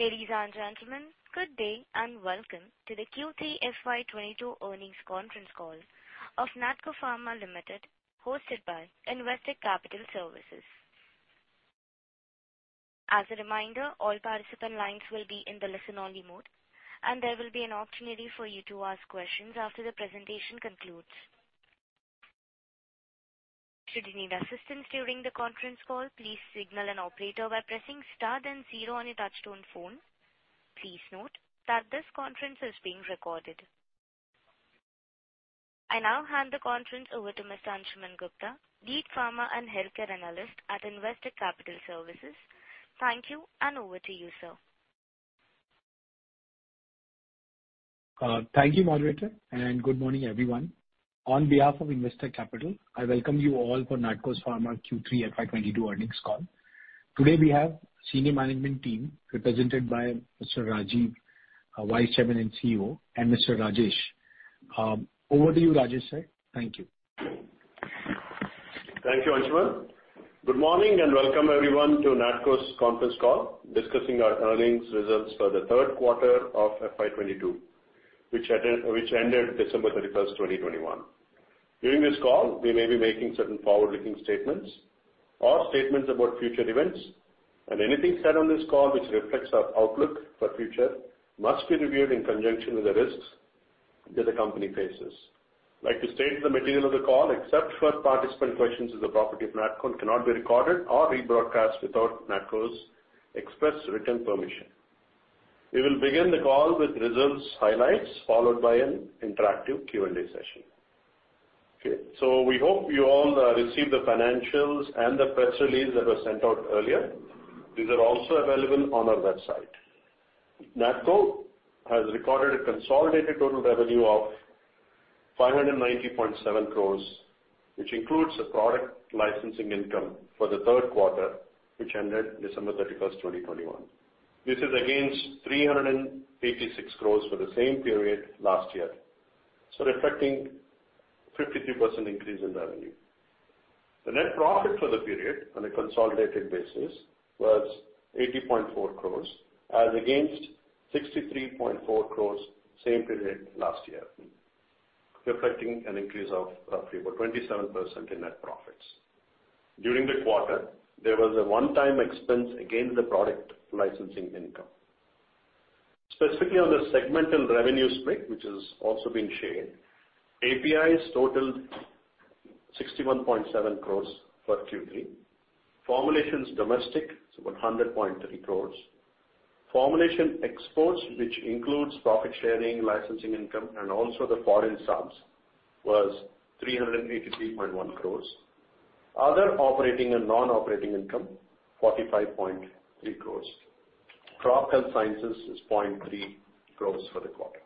Ladies and gentlemen, good day and welcome to the Q3 FY 2022 earnings conference call of Natco Pharma Limited, hosted by Investec Capital Services. As a reminder, all participant lines will be in the listen-only mode, and there will be an opportunity for you to ask questions after the presentation concludes. Should you need assistance during the conference call, please signal an operator by pressing star then zero on your touchtone phone. Please note that this conference is being recorded. I now hand the conference over to Mr. Anshuman Gupta, Lead Pharma and Healthcare Analyst at Investec Capital Services. Thank you, and over to you, sir. Thank you, moderator, and good morning, everyone. On behalf of Investec Capital Services, I welcome you all for Natco Pharma Q3 FY 2022 earnings call. Today, we have senior management team represented by Mr. Rajeev, our Vice Chairman and CEO, and Mr. Rajesh. Over to you, Rajesh. Thank you. Thank you, Anshuman. Good morning and welcome everyone to Natco's conference call discussing our earnings results for the third quarter of FY 2022, which ended December 31st, 2021. During this call, we may be making certain forward-looking statements or statements about future events, and anything said on this call which reflects our outlook for future must be reviewed in conjunction with the risks that the company faces. I'd like to state the material of the call, except for participant questions, is the property of Natco and cannot be recorded or rebroadcast without Natco's express written permission. We will begin the call with results highlights, followed by an interactive Q&A session. We hope you all received the financials and the press release that was sent out earlier. These are also available on our website. Natco has recorded a consolidated total revenue of 590.7 crore, which includes the product licensing income for the third quarter, which ended December 31st, 2021. This is against 386 crore for the same period last year, reflecting 53% increase in revenue. The net profit for the period on a consolidated basis was 80.4 crore as against 63.4 crore for the same period last year, reflecting an increase of roughly about 27% in net profits. During the quarter, there was a one-time expense against the product licensing income. Specifically on the segmental revenue split, which has also been shared, APIs totaled 61.7 crore for Q3. Formulations domestic is about 100.3 crore. Formulation exports, which includes profit sharing, licensing income, and also the foreign subs, was 383.1 crore. Other operating and non-operating income, 45.3 crore. Crop Health Sciences is 0.3 crore for the quarter.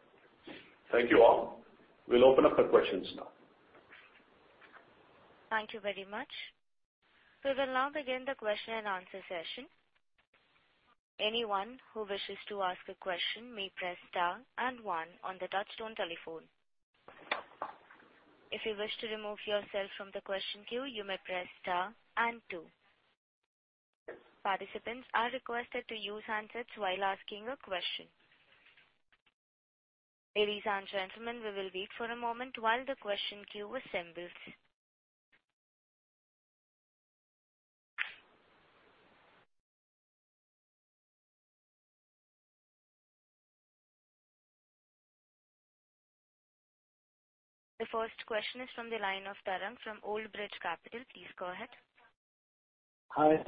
Thank you all. We'll open up for questions now. Thank you very much. We will now begin the question-and-answer session. Anyone who wishes to ask a question may press star and one on the touchtone telephone. If you wish to remove yourself from the question queue, you may press star and two. Participants are requested to use handsets while asking a question. Ladies and gentlemen, we will wait for a moment while the question queue assembles. The first question is from the line of Tarang from Old Bridge Capital. Please go ahead. Hi.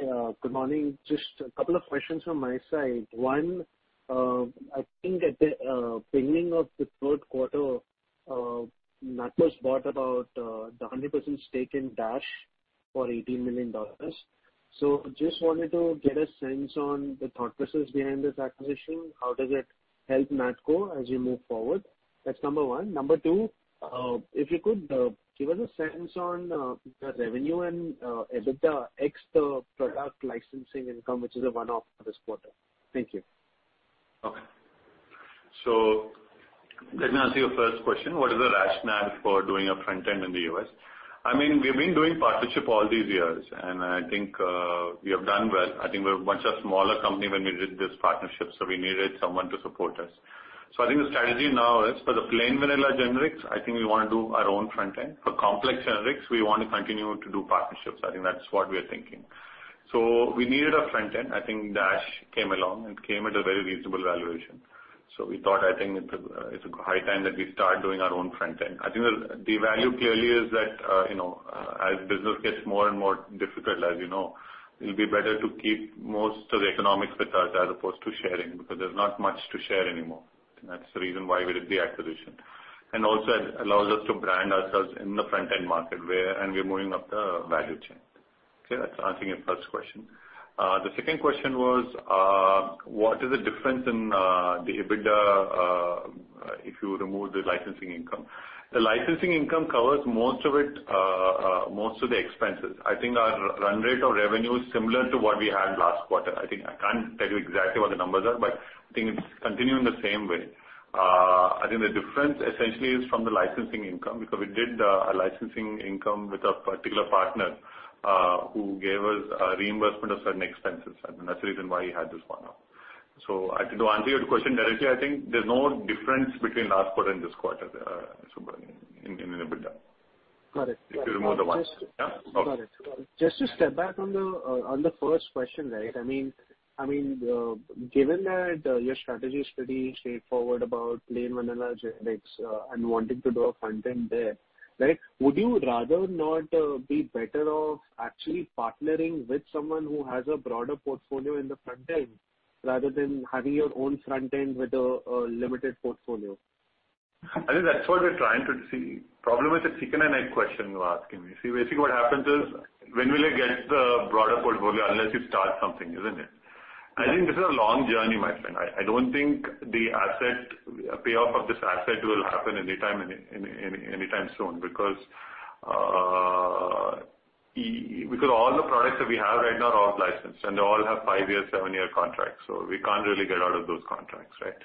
Good morning. Just a couple of questions from my side. One, I think at the beginning of the third quarter, Natco bought about 100% stake in Dash for $80 million. So I just wanted to get a sense on the thought process behind this acquisition. How does it help Natco as you move forward? That's number one. Number two, if you could give us a sense on the revenue and EBITDA ex the product licensing income, which is a one-off for this quarter. Thank you. Okay. So let me answer your first question. What is the rationale for doing a front end in the US? I mean, we've been doing partnership all these years, and I think, we have done well. I think we're much a smaller company when we did this partnership, so we needed someone to support us. I think the strategy now is for the plain vanilla generics, I think we wanna do our own front end. For complex generics, we want to continue to do partnerships. I think that's what we are thinking. So we needed a front end. I think Dash came along and came at a very reasonable valuation. So we thought, I think it's high time that we start doing our own front end. I think the value clearly is that, you know, as business gets more and more difficult, as you know, it'll be better to keep most of the economics with us as opposed to sharing, because there's not much to share anymore. That's the reason why we did the acquisition. And also it allows us to brand ourselves in the front-end market where and we're moving up the value chain. Okay, that's answering your first question. The second question was, what is the difference in the EBITDA, if you remove the licensing income? The licensing income covers most of it, most of the expenses. I think our run rate of revenue is similar to what we had last quarter. I think I can't tell you exactly what the numbers are, but I think it's continuing the same way. I think the difference essentially is from the licensing income, because we did a licensing income with a particular partner who gave us a reimbursement of certain expenses. I mean, that's the reason why you had this one off. So I think to answer your question directly, there's no difference between last quarter and this quarter in EBITDA. Got it. If you remove the one. Yeah? Got it. Just to step back on the first question, right? I mean, given that your strategy is pretty straightforward about plain vanilla generics, and wanting to do a front-end there, right, would you rather not be better off actually partnering with someone who has a broader portfolio in the front end, rather than having your own front end with a limited portfolio? I think that's what we're trying to see. Problem is it's a chicken and egg question you're asking me. See, basically what happens is when will I get the broader portfolio unless you start something, isn't it? I think this is a long journey, my friend. I don't think the asset, payoff of this asset will happen anytime soon because all the products that we have right now are off license, and they all have five-year, seven-year contracts, so we can't really get out of those contracts, right?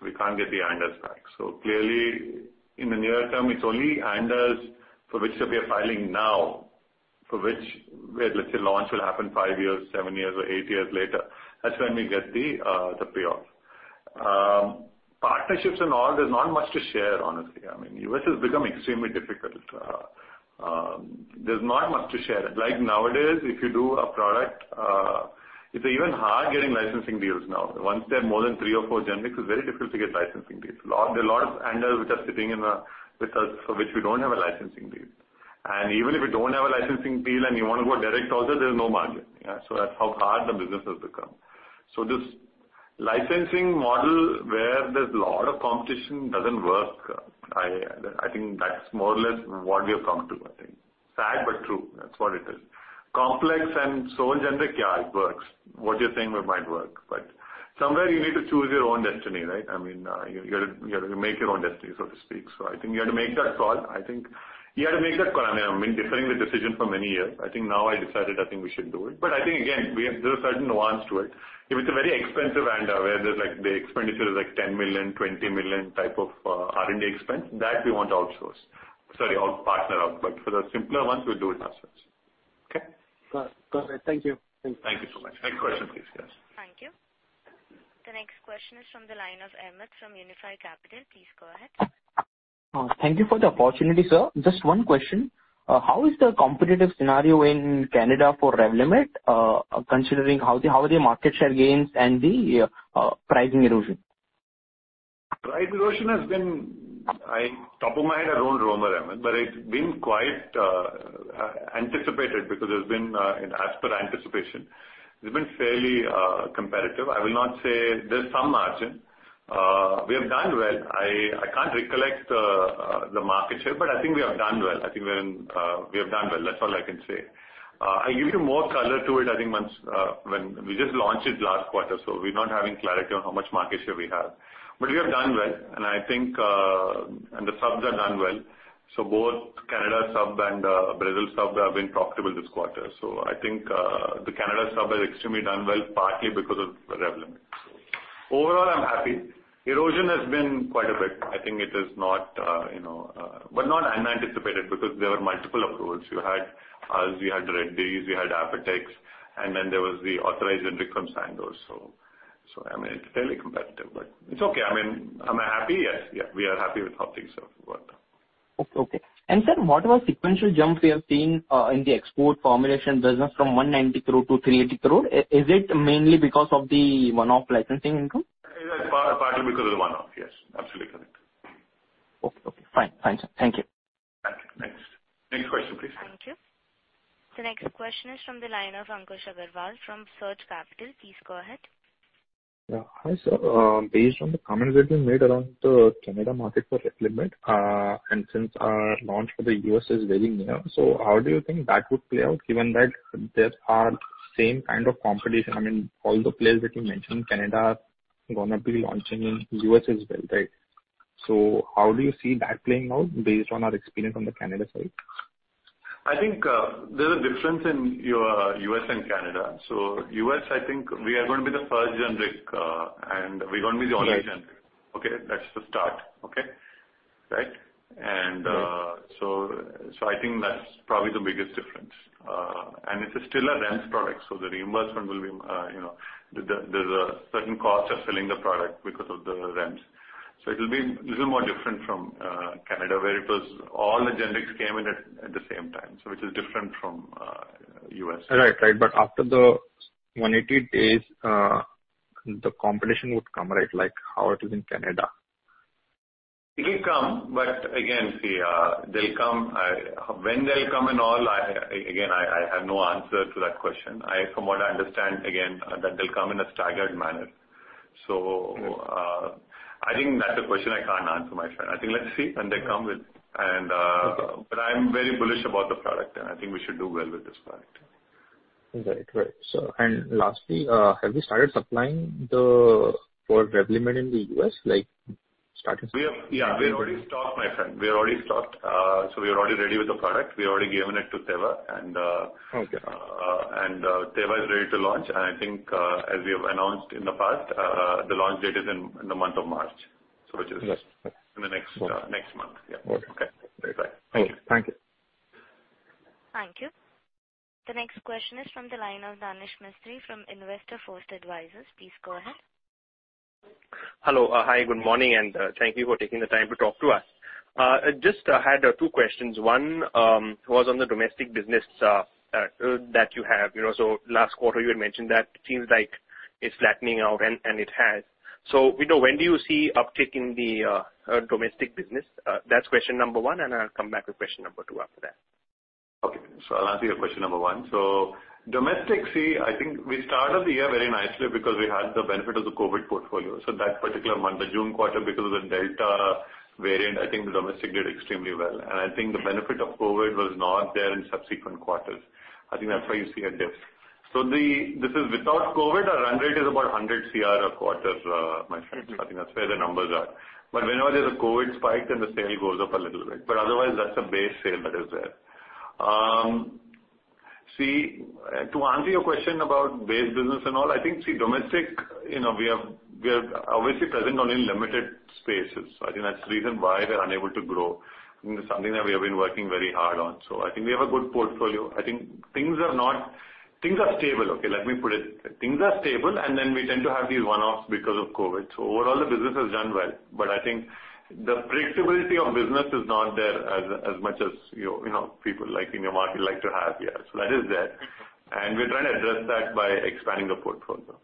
We can't get the ANDAs back. So clearly, in the near term, it's only ANDAs for which we are filing now, for which, let's say, launch will happen five years, seven years or eight years later. That's when we get the payoff. Partnerships and all, there's not much to share, honestly. I mean, the U.S. has become extremely difficult. There's not much to share. Like nowadays, if you do a product, it's even hard getting licensing deals now. Once they're more than three or four generics, it's very difficult to get licensing deals. There are a lot of ANDAs which are sitting with us for which we don't have a licensing deal. And even if we don't have a licensing deal and you wanna go direct also, there's no margin. Yeah. That's how hard the business has become. So this licensing model where there's a lot of competition doesn't work. I think that's more or less what we have come to, I think. Sad but true, that's what it is. Complex and sole generic? Yeah, it works. What you're saying, it might work. Somewhere you need to choose your own destiny, right? I mean, you got to make your own destiny, so to speak. So I think you have to make that call. I mean, I've been deferring the decision for many years. I think now I decided we should do it. But I think, again, we have certain nuances to it. If it's a very expensive ANDA, where there's like the expenditure is like 10 million, 20 million type of R&D expense, that we want to outsource. Sorry, partner out, but for the simpler ones, we'll do it ourselves. Okay? Got it. Thank you. Thank you so much. Next question, please. Thank you. The next question is from the line of Ahmed from Unifi Capital. Please go ahead. Thank you for the opportunity, sir. Just one question. How is the competitive scenario in Canada for Revlimid, considering how are the market share gains and the pricing erosion? Price erosion has been top of mind, I don't remember, Ahmed, but it's been quite anticipated because it's been as per anticipation. It's been fairly competitive. I will not say there's some margin. We have done well. I can't recollect the market share, but I think we have done well. I think we have done well. That's all I can say. I'll give you more color to it once when we just launched it last quarter, so we're not having clarity on how much market share we have. But we have done well, and I think the subs have done well. So both Canada sub and Brazil sub have been profitable this quarter. So I think the Canada sub has extremely done well, partly because of Revlimid. So overall, I'm happy. Erosion has been quite a bit. I think it is not, but not unanticipated because there were multiple approvals. You had us, you had Dr. Reddy's, you had Apotex, and then there was the authorized generic from Sandoz. So I mean, it's fairly competitive, but it's okay. I mean, am I happy? Yes. Yeah, we are happy with how things have worked out. Okay, okay. Sir, what about sequential jump we have seen in the export formulation business from 190 crore to 380 crore? Is it mainly because of the one-off licensing income? It is partly because of one-off. Yes, absolutely correct. Okay. Fine, sir. Thank you. Thank you. Next. Next question, please. Thank you. The next question is from the line of Ankush Agrawal from Surge Capital. Please go ahead. Yeah. Hi, sir. Based on the comments that you made around the Canada market for Revlimid, and since our launch for the U.S. is very near, how do you think that would play out, given that there are the same kind of competition? I mean, all the players that you mentioned in Canada are gonna be launching in U.S. as well, right? So how do you see that playing out based on our experience on the Canada side? I think, there's a difference in your U.S. and Canada. So U.S., I think we are gonna be the first generic, and we're gonna be the only generic. Yes. Okay? That's the start. Okay? Right. Yes. So I think that's probably the biggest difference. It is still a REMS product, so the reimbursement will be, you know, there's a certain cost of selling the product because of the REMS. So It'll be little more different from Canada, where it was all the generics came in at the same time. It is different from U.S. Right. After the 180 days, the competition would come, right? Like how it is in Canada. It'll come, but again, see, they'll come. When they'll come and all, again, I have no answer to that question. From what I understand, again, they'll come in a staggered manner. Okay. So I think that's a question I can't answer, my friend. I think let's see when they come with and. Okay. But I'm very bullish about the product, and I think we should do well with this product. Got it. Great. Lastly, have you started supplying the for Revlimid in the U.S., like start- We have already stocked, my friend. We are already ready with the product. We've already given it to Teva. Okay. And Teva is ready to launch. I think, as we have announced in the past, the launch date is in the month of March. So just- Yes. Yes. In the next month. Yeah. Okay. Okay. Bye-bye. Thank you. Thank you. The next question is from the line of Danesh Mistry from Investor First Advisors. Please go ahead. Hello. Hi, good morning, and thank you for taking the time to talk to us. I just had two questions. One was on the domestic business that you have. You know, so last quarter you had mentioned that it seems like it's flattening out, and it has. So we know. When do you see uptick in the domestic business? That's question number one, and I'll come back to question number two after that. Okay. I'll answer your question number one. So domestic, see, I think we started the year very nicely because we had the benefit of the COVID portfolio. That particular month, the June quarter, because of the Delta variant, I think domestic did extremely well. I think the benefit of COVID was not there in subsequent quarters. I think that's why you see a dip. This is without COVID, our run rate is about 100 crore a quarter, my friend. I think that's where the numbers are. But whenever there's a COVID spike, then the sale goes up a little bit, but otherwise that's the base sale that is there. See, to answer your question about base business and all, I think, see domestic, you know, we are obviously present only in limited spaces. I think that's the reason why they're unable to grow, and it's something that we have been working very hard on. So I think we have a good portfolio. I think things are not, things are stable. Okay, let me put it. Things are stable, and then we tend to have these one-offs because of COVID. So overall the business has done well, but I think the predictability of business is not there as much as your, you know, people like in your market like to have. Yeah. That is there. And we're trying to address that by expanding the portfolio.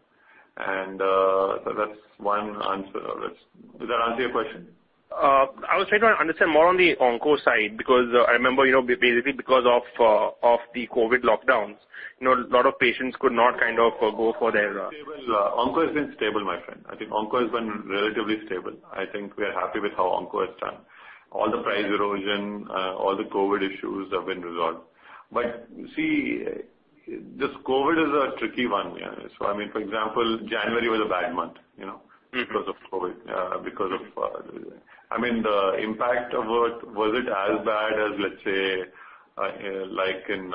That's one answer. Does that answer your question? I was trying to understand more on the onco side because I remember, you know, basically because of the COVID lockdowns, you know, a lot of patients could not kind of go for their... Onco has been stable, my friend. I think onco has been relatively stable. I think we are happy with how onco has done. All the price erosion, all the COVID issues have been resolved. See, this COVID is a tricky one. Yeah. I mean, for example, January was a bad month, you know. Mm-hmm. Because of COVID, I mean, the impact of it wasn't as bad as let's say, like in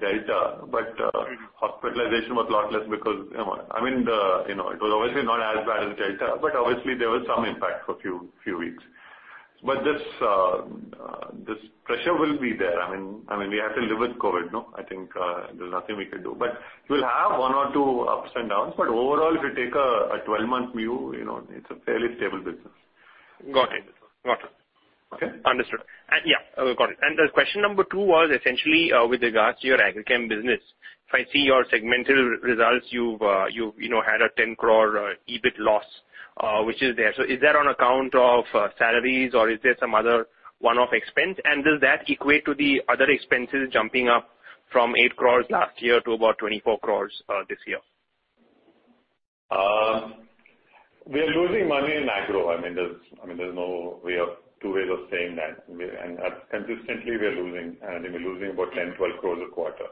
Delta, but- Mm-hmm. Hospitalization was a lot less because, you know, I mean, you know, it was obviously not as bad as Delta, but obviously there was some impact for few weeks. But this pressure will be there. I mean, we have to live with COVID, no? I think, there's nothing we can do. But we'll have one or two ups and downs, but overall, if you take a 12-month view, you know, it's a fairly stable business. Got it. Okay? Understood. Yeah. Got it. The question number two was essentially, with regards to your agrochem business. If I see your segmental results, you've you know, had a 10 crore EBIT loss, which is there. So is that on account of salaries, or is there some other one-off expense? And does that equate to the other expenses jumping up from 8 crore last year to about 24 crore this year? We are losing money in agro. I mean, there's no two ways of saying that. Consistently we are losing, and we're losing about 10 crore-12 crore a quarter.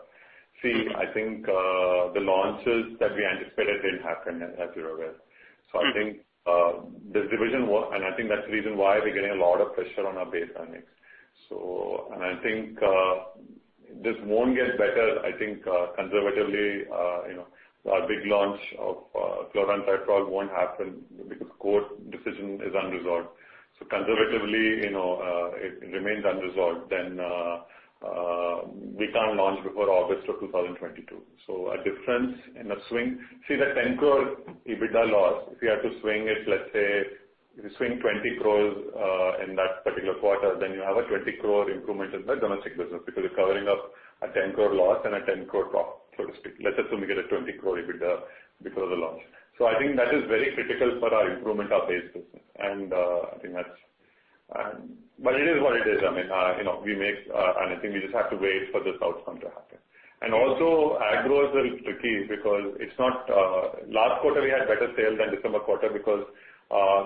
See, I think, the launches that we anticipated didn't happen as you're aware. Mm-hmm. I think this division, I think that's the reason why we're getting a lot of pressure on our base earnings. So I think this won't get better. I think conservatively, you know, our big launch of chlorantraniliprole won't happen because court decision is unresolved. Conservatively, you know, if it remains unresolved, then we can't launch before August 2022. So a difference in a swing. See, that 10 crore EBITDA loss, if you have to swing it, let's say, if you swing 20 crore in that particular quarter, then you have a 20 crore improvement in the domestic business because you're covering up a 10 crore loss and a 10 crore profit, so to speak. Let's assume you get a 20 crore EBITDA because of the launch. I think that is very critical for our improvement of base business. But it is what it is. I mean, you know, I think we just have to wait for this outcome to happen. And also agro is a little tricky. Last quarter we had better sales than December quarter because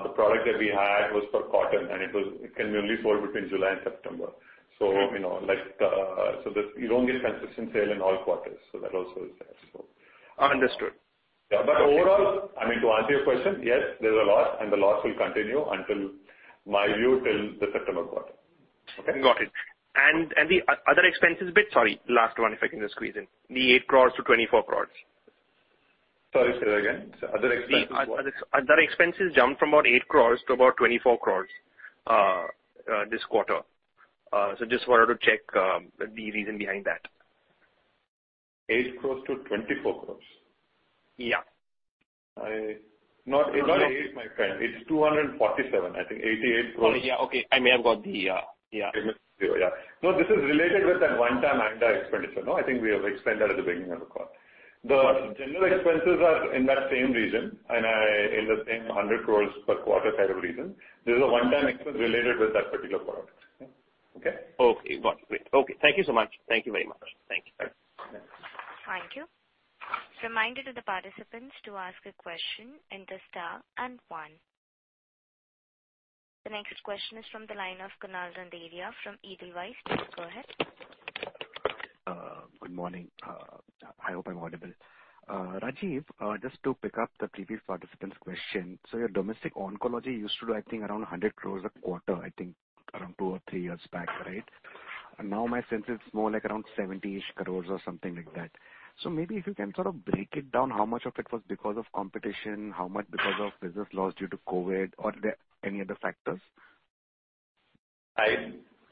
the product that we had was for cotton. It can be only sold between July and September. You know, like, you don't get consistent sales in all quarters, so that also is there. Understood. Yeah. But overall, I mean, to answer your question, yes, there's a loss, and the loss will continue until, my view, till the September quarter. Okay? Got it. And the other expenses. Sorry, last one, if I can just squeeze in. The 8 crore to 24 crore. Sorry, say that again. Other expenses what? The other expenses jumped from about 8 crore to about 24 crore this quarter. So I just wanted to check the reason behind that. 8 crore to 24 crore? Yeah. Not eight, my friend. It's 247 crore. I think 88 crore. Oh, yeah. Okay. Yeah. Yeah. No, this is related with that one-time ANDA expenditure. No, I think we have explained that at the beginning of the call. The general expenses are in that same region, and in the same 100 crore per quarter kind of region. This is a one-time expense related with that particular product. Okay? Okay. Got it. Great. Okay. Thank you so much. Thank you very much. Thank you. Thank you. Reminder to the participants to ask a question, enter star and one. The next question is from the line of Kunal Randeria from Edelweiss. Please go ahead. Good morning. I hope I'm audible. Rajeev, just to pick up the previous participant's question. So your domestic oncology used to do I think around 100 crore a quarter, I think around two or three years back, right? And now my sense is more like around 70-ish crore or something like that. Maybe if you can sort of break it down, how much of it was because of competition, how much because of business loss due to COVID, or are there any other factors?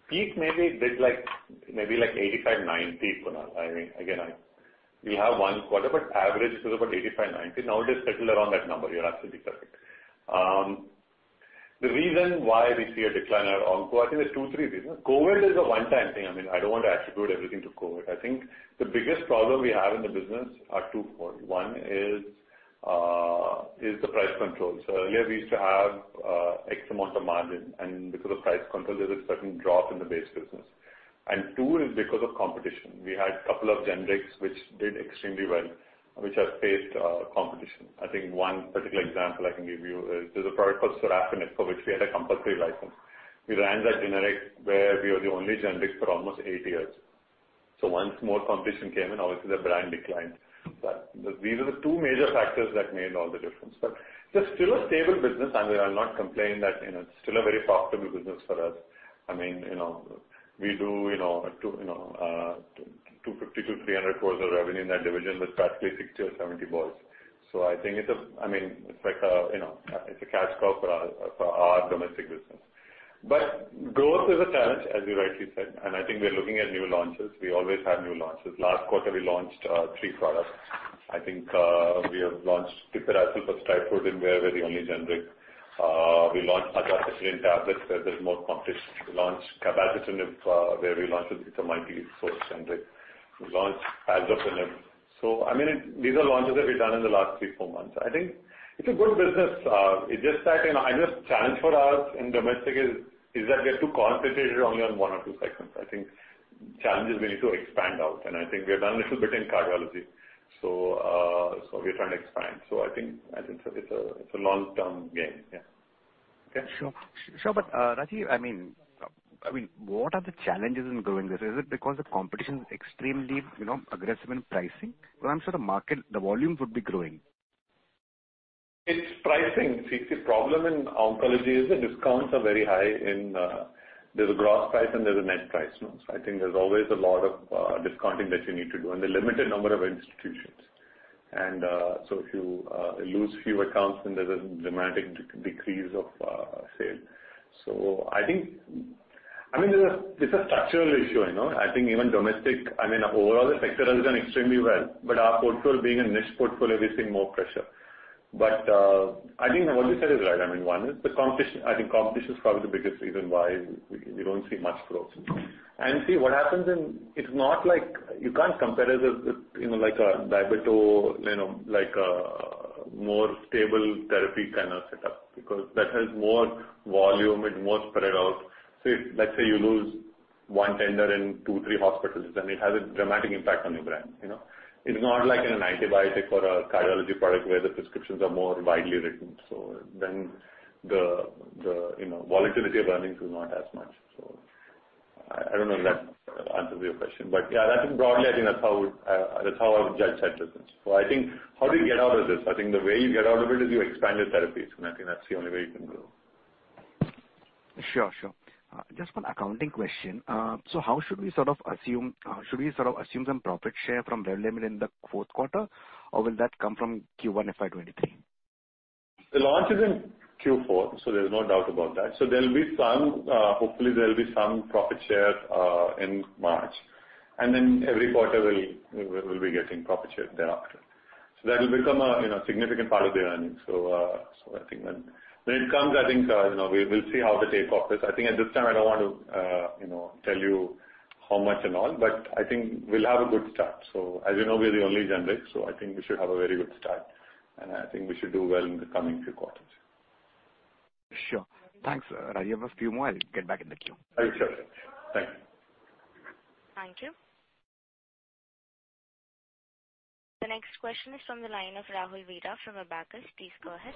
Peak may be a bit like, maybe like 85%-90% for now. I mean, again, we have one quarter, but average is about 85%-90%. Now it is settled around that number. You're absolutely correct. The reason why we see a decline in oncology, there's two, three reasons. COVID is a one-time thing. I mean, I don't want to attribute everything to COVID. I think the biggest problem we have in the business are twofold. One is the price controls. Earlier, we used to have excess amount of margin, and because of price control, there's a certain drop in the base business. And two is because of competition. We had a couple of generics which did extremely well, which has faced competition. I think one particular example I can give you is there's a product called sorafenib for which we had a compulsory license. We ran that generic where we were the only generics for almost eight years. So once more competition came in, obviously, the brand declined. These are the two major factors that made all the difference. There's still a stable business, and we are not complaining that, you know, it's still a very profitable business for us. I mean, you know, we do 250 crore-300 crore of revenue in that division with practically 60 or 70 boys. I think it's like a, you know, it's a cash cow for our domestic business. But growth is a challenge, as you rightly said, and I think we are looking at new launches. We always have new launches. Last quarter, we launched three products. I think we have launched tipiracil plus trifluridine where we're the only generic. We launched azacitidine tablets, where there's more competition. We launched cabazitaxel, where we launched as the first generic. We launched olanzapine. I mean, these are launches that we've done in the last three, four months. I think it's a good business. It's just that, you know, I guess challenge for us in domestic is that we are too concentrated only on one or two segments. I think the challenge is we need to expand out, and I think we have done a little bit in cardiology. So we're trying to expand. I think it's a long-term game. Yeah. Okay. Sure. Rajeev, I mean, what are the challenges in growing this? Is it because the competition is extremely, you know, aggressive in pricing? I'm sure the market, the volumes would be growing. It's pricing. See, the problem in oncology is the discounts are very high and there's a gross price and there's a net price, no. I think there's always a lot of discounting that you need to do, and the limited number of institutions. And so if you lose few accounts, then there's a dramatic decrease of sale. So I think, I mean, it's a structural issue, you know. I think even domestic, I mean, overall the sector has done extremely well, but our portfolio being a niche portfolio, we're seeing more pressure. But I think what you said is right. I mean, one is the competition. I think competition is probably the biggest reason why we don't see much growth. And see what happens in... It's not like you can't compare it with you know, like a, you know, like a more stable therapy kind of setup because that has more volume, it's more spread out. If let's say you lose one tender in two, three hospitals, then it has a dramatic impact on your brand, you know. It's not like in an antibiotic or a cardiology product where the prescriptions are more widely written, so then the you know, volatility of earnings is not as much. I don't know if that answers your question, but yeah, that is broadly, I think that's how I would judge that business. I think how do you get out of this? I think the way you get out of it is you expand your therapies, and I think that's the only way you can grow. Sure. Just one accounting question. How should we sort of assume some profit share from Revlimid in the fourth quarter, or will that come from Q1 FY 2023? The launch is in Q4, so there's no doubt about that. So there'll be some, hopefully, there'll be some profit share in March, and then every quarter we will be getting profit share thereafter. That will become a, you know, significant part of the earnings. I think when it comes, I think, you know, we'll see how the takeoff is. I think at this time, I don't want to, you know, tell you how much and all, but I think we'll have a good start. So as you know, we're the only generic, so I think we should have a very good start, and I think we should do well in the coming few quarters. Sure. Thanks, Rajeev. I have a few more. I'll get back in the queue. Okay. Sure. Thanks. Thank you. The next question is from the line of Rahul Veera from Abakkus. Please go ahead.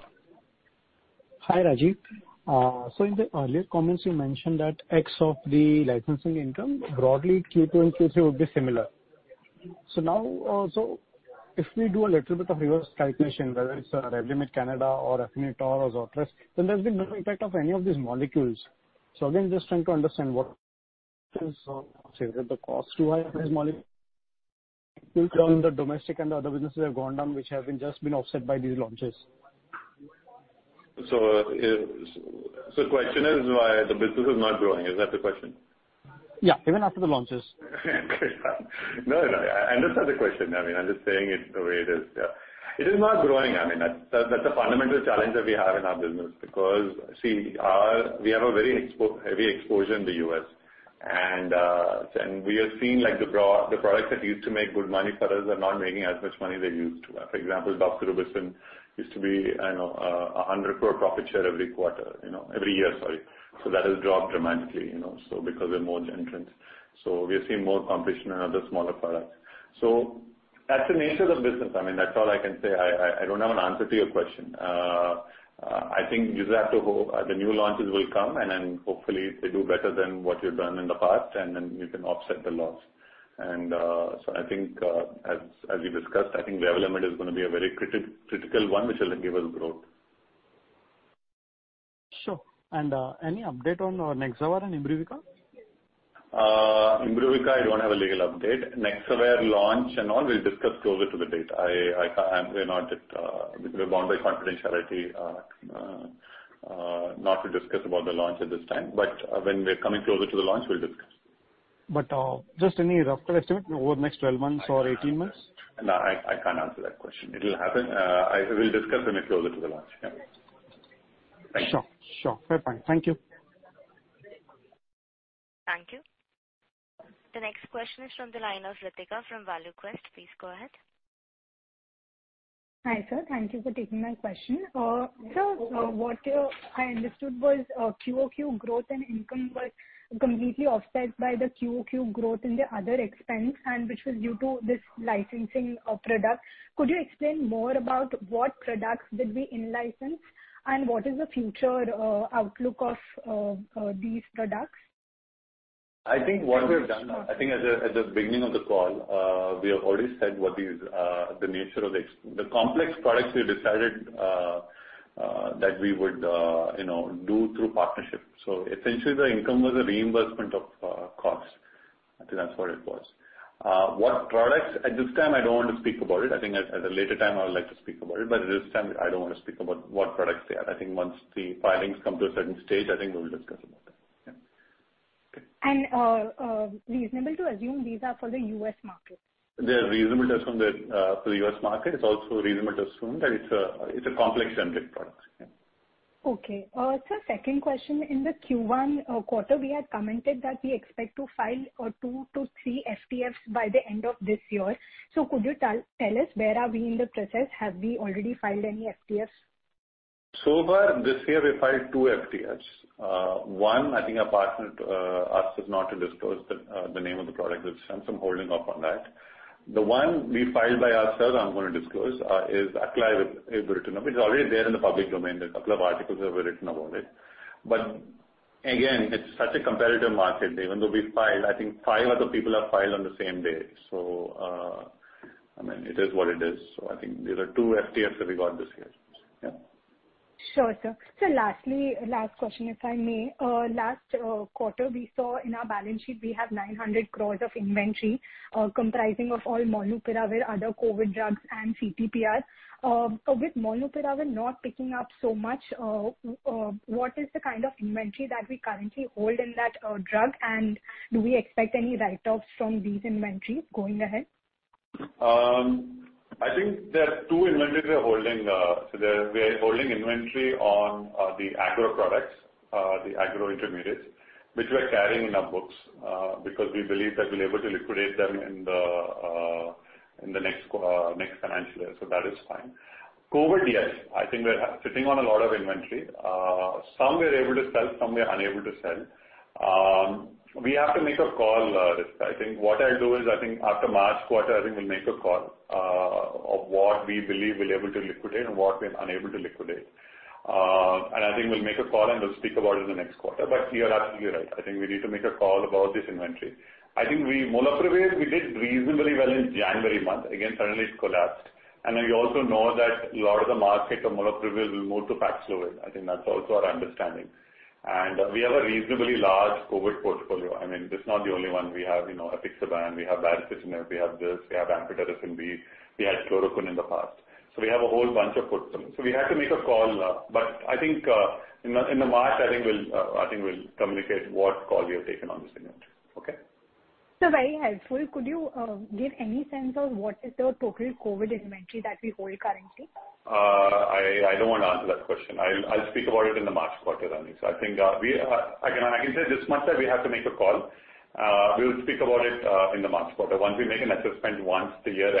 Hi, Rajeev. So in the earlier comments, you mentioned that X of the licensing income, broadly Q2 and Q3 would be similar. So now also, if we do a little bit of reverse calculation, whether it's Revlimid Canada or Afinitor or Zortress, then there's been no impact of any of these molecules. So again, just trying to understand what is it that the cost of high-priced molecules on the domestic and the other businesses have gone down, which have been offset by these launches. So the question is why the business is not growing. Is that the question? Yeah. Even after the launches. No, no, I understand the question. I mean, I'm just saying it the way it is. Yeah. It is not growing. I mean, that's a fundamental challenge that we have in our business because, see, we have a very export-heavy exposure in the U.S. and we are seeing like the products that used to make good money for us are not making as much money they used to. For example, doxorubicin used to be 100 crore profit share every quarter, you know, every year, sorry. That has dropped dramatically, you know, because there are more entrants. We are seeing more competition on other smaller products. That's the nature of the business. I mean, that's all I can say. I don't have an answer to your question. I think you just have to hope the new launches will come, and then hopefully they do better than what you've done in the past, and then you can offset the loss. And so I think, as we discussed, I think Revlimid is gonna be a very critical one which will give us growth. Sure. Any update on Nexavar and Imbruvica? Imbruvica, I don't have a legal update. Nexavar launch and all, we'll discuss closer to the date. We're bound by confidentiality not to discuss about the launch at this time. But when we're coming closer to the launch, we'll discuss. But just any rough estimate over the next 12 months or 18 months? No, I can't answer that question. It'll happen. We'll discuss when we're closer to the launch. Yeah. Thank you. Sure, sure. Fair point. Thank you. Thank you. The next question is from the line of Ritika from ValueQuest. Please go ahead. Hi, sir. Thank you for taking my question. Sir, what I understood was QoQ growth and income was completely offset by the QoQ growth in the other expense, which was due to this licensing of product. Could you explain more about what products did we in-license and what is the future outlook of these products? I think what we have done, I think at the beginning of the call, we have already said what is the nature of the complex products we decided that we would, you know, do through partnership. So essentially the income was a reimbursement of costs. I think that's what it was. What products? At this time I don't want to speak about it. I think at a later time I would like to speak about it, but at this time I don't wanna speak about what products they are. I think once the filings come to a certain stage, I think we'll discuss about that. Yeah. Okay. And reasonable to assume these are for the U.S. market. It's reasonable to assume they're for the U.S. market. It's also reasonable to assume that it's a complex generic product. Yeah. Okay. Sir, second question. In the Q1 quarter, we had commented that we expect to file two to three FTFs by the end of this year. So could you tell us where are we in the process? Have we already filed any FTFs? So far this year we filed two FTFs. One I think our partner asked us not to disclose the name of the product. For instance, I'm holding off on that. The one we filed by ourselves, I'm gonna disclose, is ibrutinib. It's written up. It's already there in the public domain. There's a couple of articles that were written about it. Again, it's such a competitive market. Even though we filed, I think five other people have filed on the same day. So I mean, it is what it is. I think these are two FTFs that we got this year. Yeah. Sure, sir. Sir, lastly, last question, if I may. Last quarter we saw in our balance sheet we have 900 crore of inventory, comprising of all molnupiravir, other COVID drugs and CTPR. With molnupiravir not picking up so much, what is the kind of inventory that we currently hold in that drug and do we expect any write-offs from these inventories going ahead? I think there are two inventories we are holding. We are holding inventory on the agro products, the agro intermediates, which we are carrying in our books because we believe that we'll be able to liquidate them in the next financial year. So that is fine. COVID? Yes. I think we're sitting on a lot of inventory. Some we are able to sell, some we are unable to sell. We have to make a call, Ritika. I think what I'll do is I think after March quarter, I think we'll make a call of what we believe we'll be able to liquidate and what we're unable to liquidate. I think we'll make a call and we'll speak about it in the next quarter. You are absolutely right. I think we need to make a call about this inventory. I think molnupiravir we did reasonably well in January month. Again, suddenly it collapsed. And we also know that a lot of the market of molnupiravir will move to Paxlovid. I think that's also our understanding. We have a reasonably large COVID portfolio. I mean, this is not the only one. We have, you know, apixaban, we have baricitinib, we have this, we have amphotericin B, we had chloroquine in the past. We have a whole bunch of portfolio. So we have to make a call. But I think in the March, I think we'll communicate what call we have taken on this inventory. Okay? Sir, very helpful. Could you give any sense of what is the total COVID inventory that we hold currently? I don't wanna answer that question. I'll speak about it in the March quarter, Ritika. I think, again, I can say this much that we have to make a call. We'll speak about it in the March quarter. Once we make an assessment once a year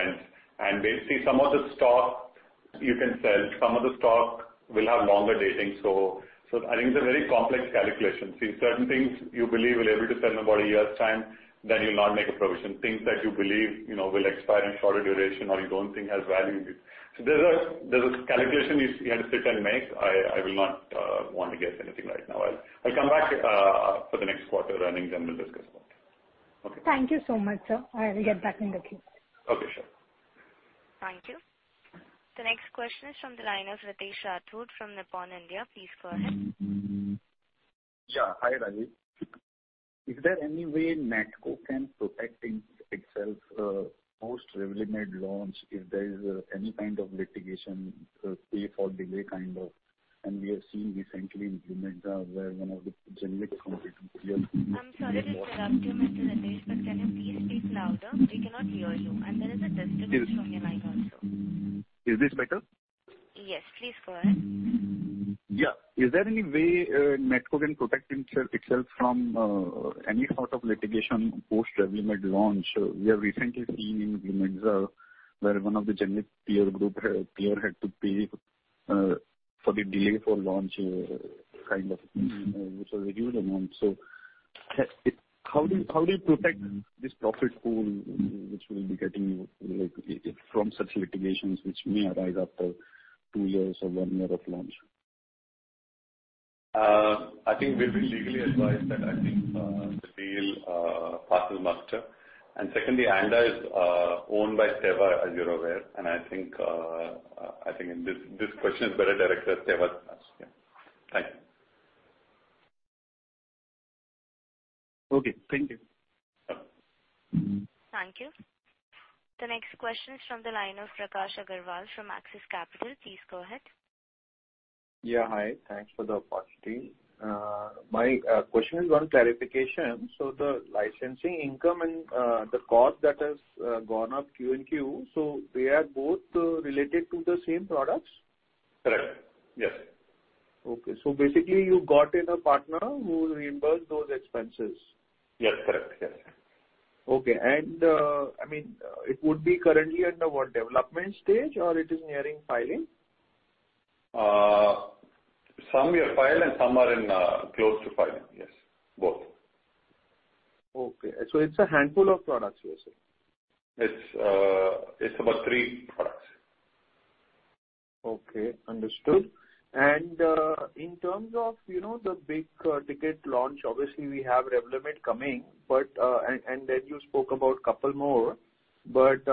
and we'll see some of the stock you can sell, some of the stock will have longer dating. I think it's a very complex calculation. See, certain things you believe will be able to sell in about a year's time, then you'll not make a provision. Things that you believe, you know, will expire in shorter duration or you don't think has value. There's a calculation you have to sit and make. I will not want to guess anything right now. I'll come back for the next quarter earnings, then we'll discuss about it. Okay? Thank you so much, sir. I'll get back in the queue. Okay, sure. Thank you. The next question is from the line of Ritesh Rathod from Nippon India. Please go ahead. Yeah. Hi, Rajeev. Is there any way Natco can protect itself, post Revlimid launch if there is any kind of litigation, pay for delay kind of? We have seen recently in Anda where one of the generic companies- I'm sorry to interrupt you, Mr. Ritesh, but can you please speak louder? We cannot hear you. And there is a disturbance from your line also. Is this better? Yes. Please go ahead. Yeah. Is there any way Natco can protect itself from any sort of litigation post Revlimid launch? We have recently seen in Anda where one of the generic peer group had to pay for the delay for launch, kind of, which was a huge amount. So how do you protect this profit pool which we'll be getting from such litigations which may arise after two years or one year of launch? I think we've been legally advised that I think we will pass the market. And secondly, Anda is owned by Teva, as you're aware. I think this question is better directed at Teva than us. Yeah. Thank you. Okay. Thank you. Thank you. The next question is from the line of Prakash Agarwal from Axis Capital. Please go ahead. Yeah. Hi. Thanks for the opportunity. My question is on clarification. So the licensing income and the cost that has gone up Q-on-Q, so they are both related to the same products? Correct. Yes. Okay. So basically you got in a partner who will reimburse those expenses? Yes. Correct. Yes. Okay. And I mean, it would be currently under what development stage or it is nearing filing? Some we have filed and some are in, close to filing. Yes, both. Okay. So it's a handful of products, you said. It's about three products. Okay. Understood. In terms of, you know, the big ticket launch, obviously we have Revlimid coming, and then you spoke about couple more. But,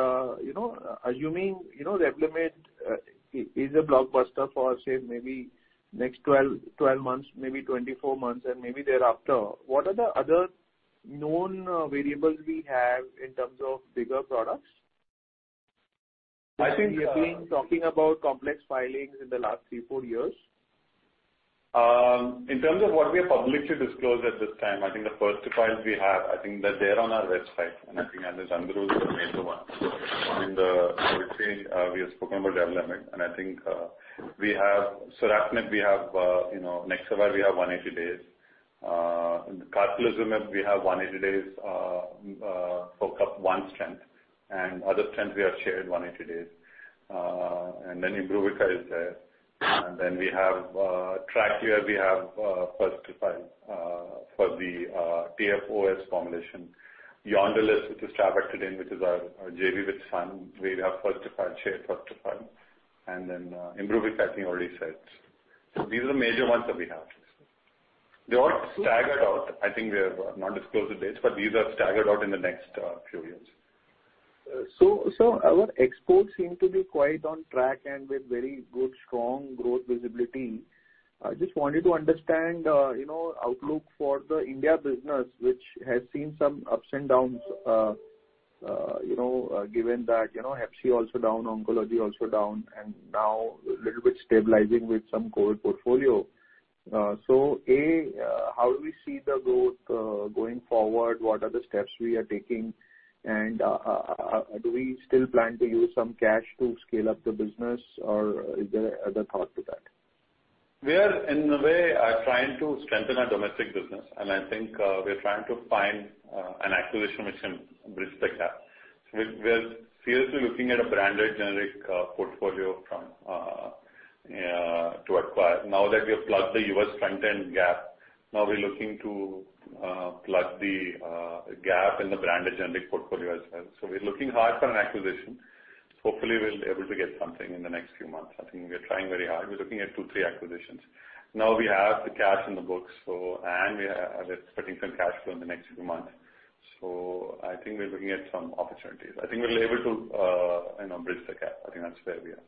you know, assuming, you know, Revlimid is a blockbuster for, say, maybe next 12 months, maybe 24 months, and maybe thereafter, what are the other known variables we have in terms of bigger products? I think. We have been talking about complex filings in the last three or four years. In terms of what we have publicly disclosed at this time, I think the first-to-file we have, I think that they are on our website and I think these are the major ones. So I mean, I would say, we have spoken about Revlimid, and I think, we have. So that and we have, you know, Nexavar we have 180 days. In the carfilzomib we have 180 days for one strength and other strengths we have shared 180 days. And then Imbruvica is there. We have, Tracleer we have, first-to-file for the TFOS formulation. Yondelis, which is trabectedin, which is our JV with Sandoz. We have first-to-file, shared first-to-file. And Imbruvica, I think I already said. So these are the major ones that we have. They all staggered out. I think we have not disclosed the dates, but these are staggered out in the next few years. So our exports seem to be quite on track and with very good strong growth visibility. I just wanted to understand outlook for the India business, which has seen some ups and downs, given that Hep C also down, oncology also down, and now a little bit stabilizing with some COVID portfolio. So A, how do we see the growth going forward? What are the steps we are taking? Do we still plan to use some cash to scale up the business or is there other thought to that? We are in a way trying to strengthen our domestic business, and I think we're trying to find an acquisition which can bridge the gap. We're seriously looking at a branded generic portfolio from to acquire. Now that we have plugged the U.S. front-end gap, now we're looking to plug the gap in the branded generic portfolio as well. So we're looking hard for an acquisition. Hopefully, we'll be able to get something in the next few months. I think we are trying very hard. We're looking at two to three acquisitions. Now we have the cash in the books, and we are expecting some cash flow in the next few months. I think we're looking at some opportunities. I think we'll be able to you know, bridge the gap. I think that's where we are.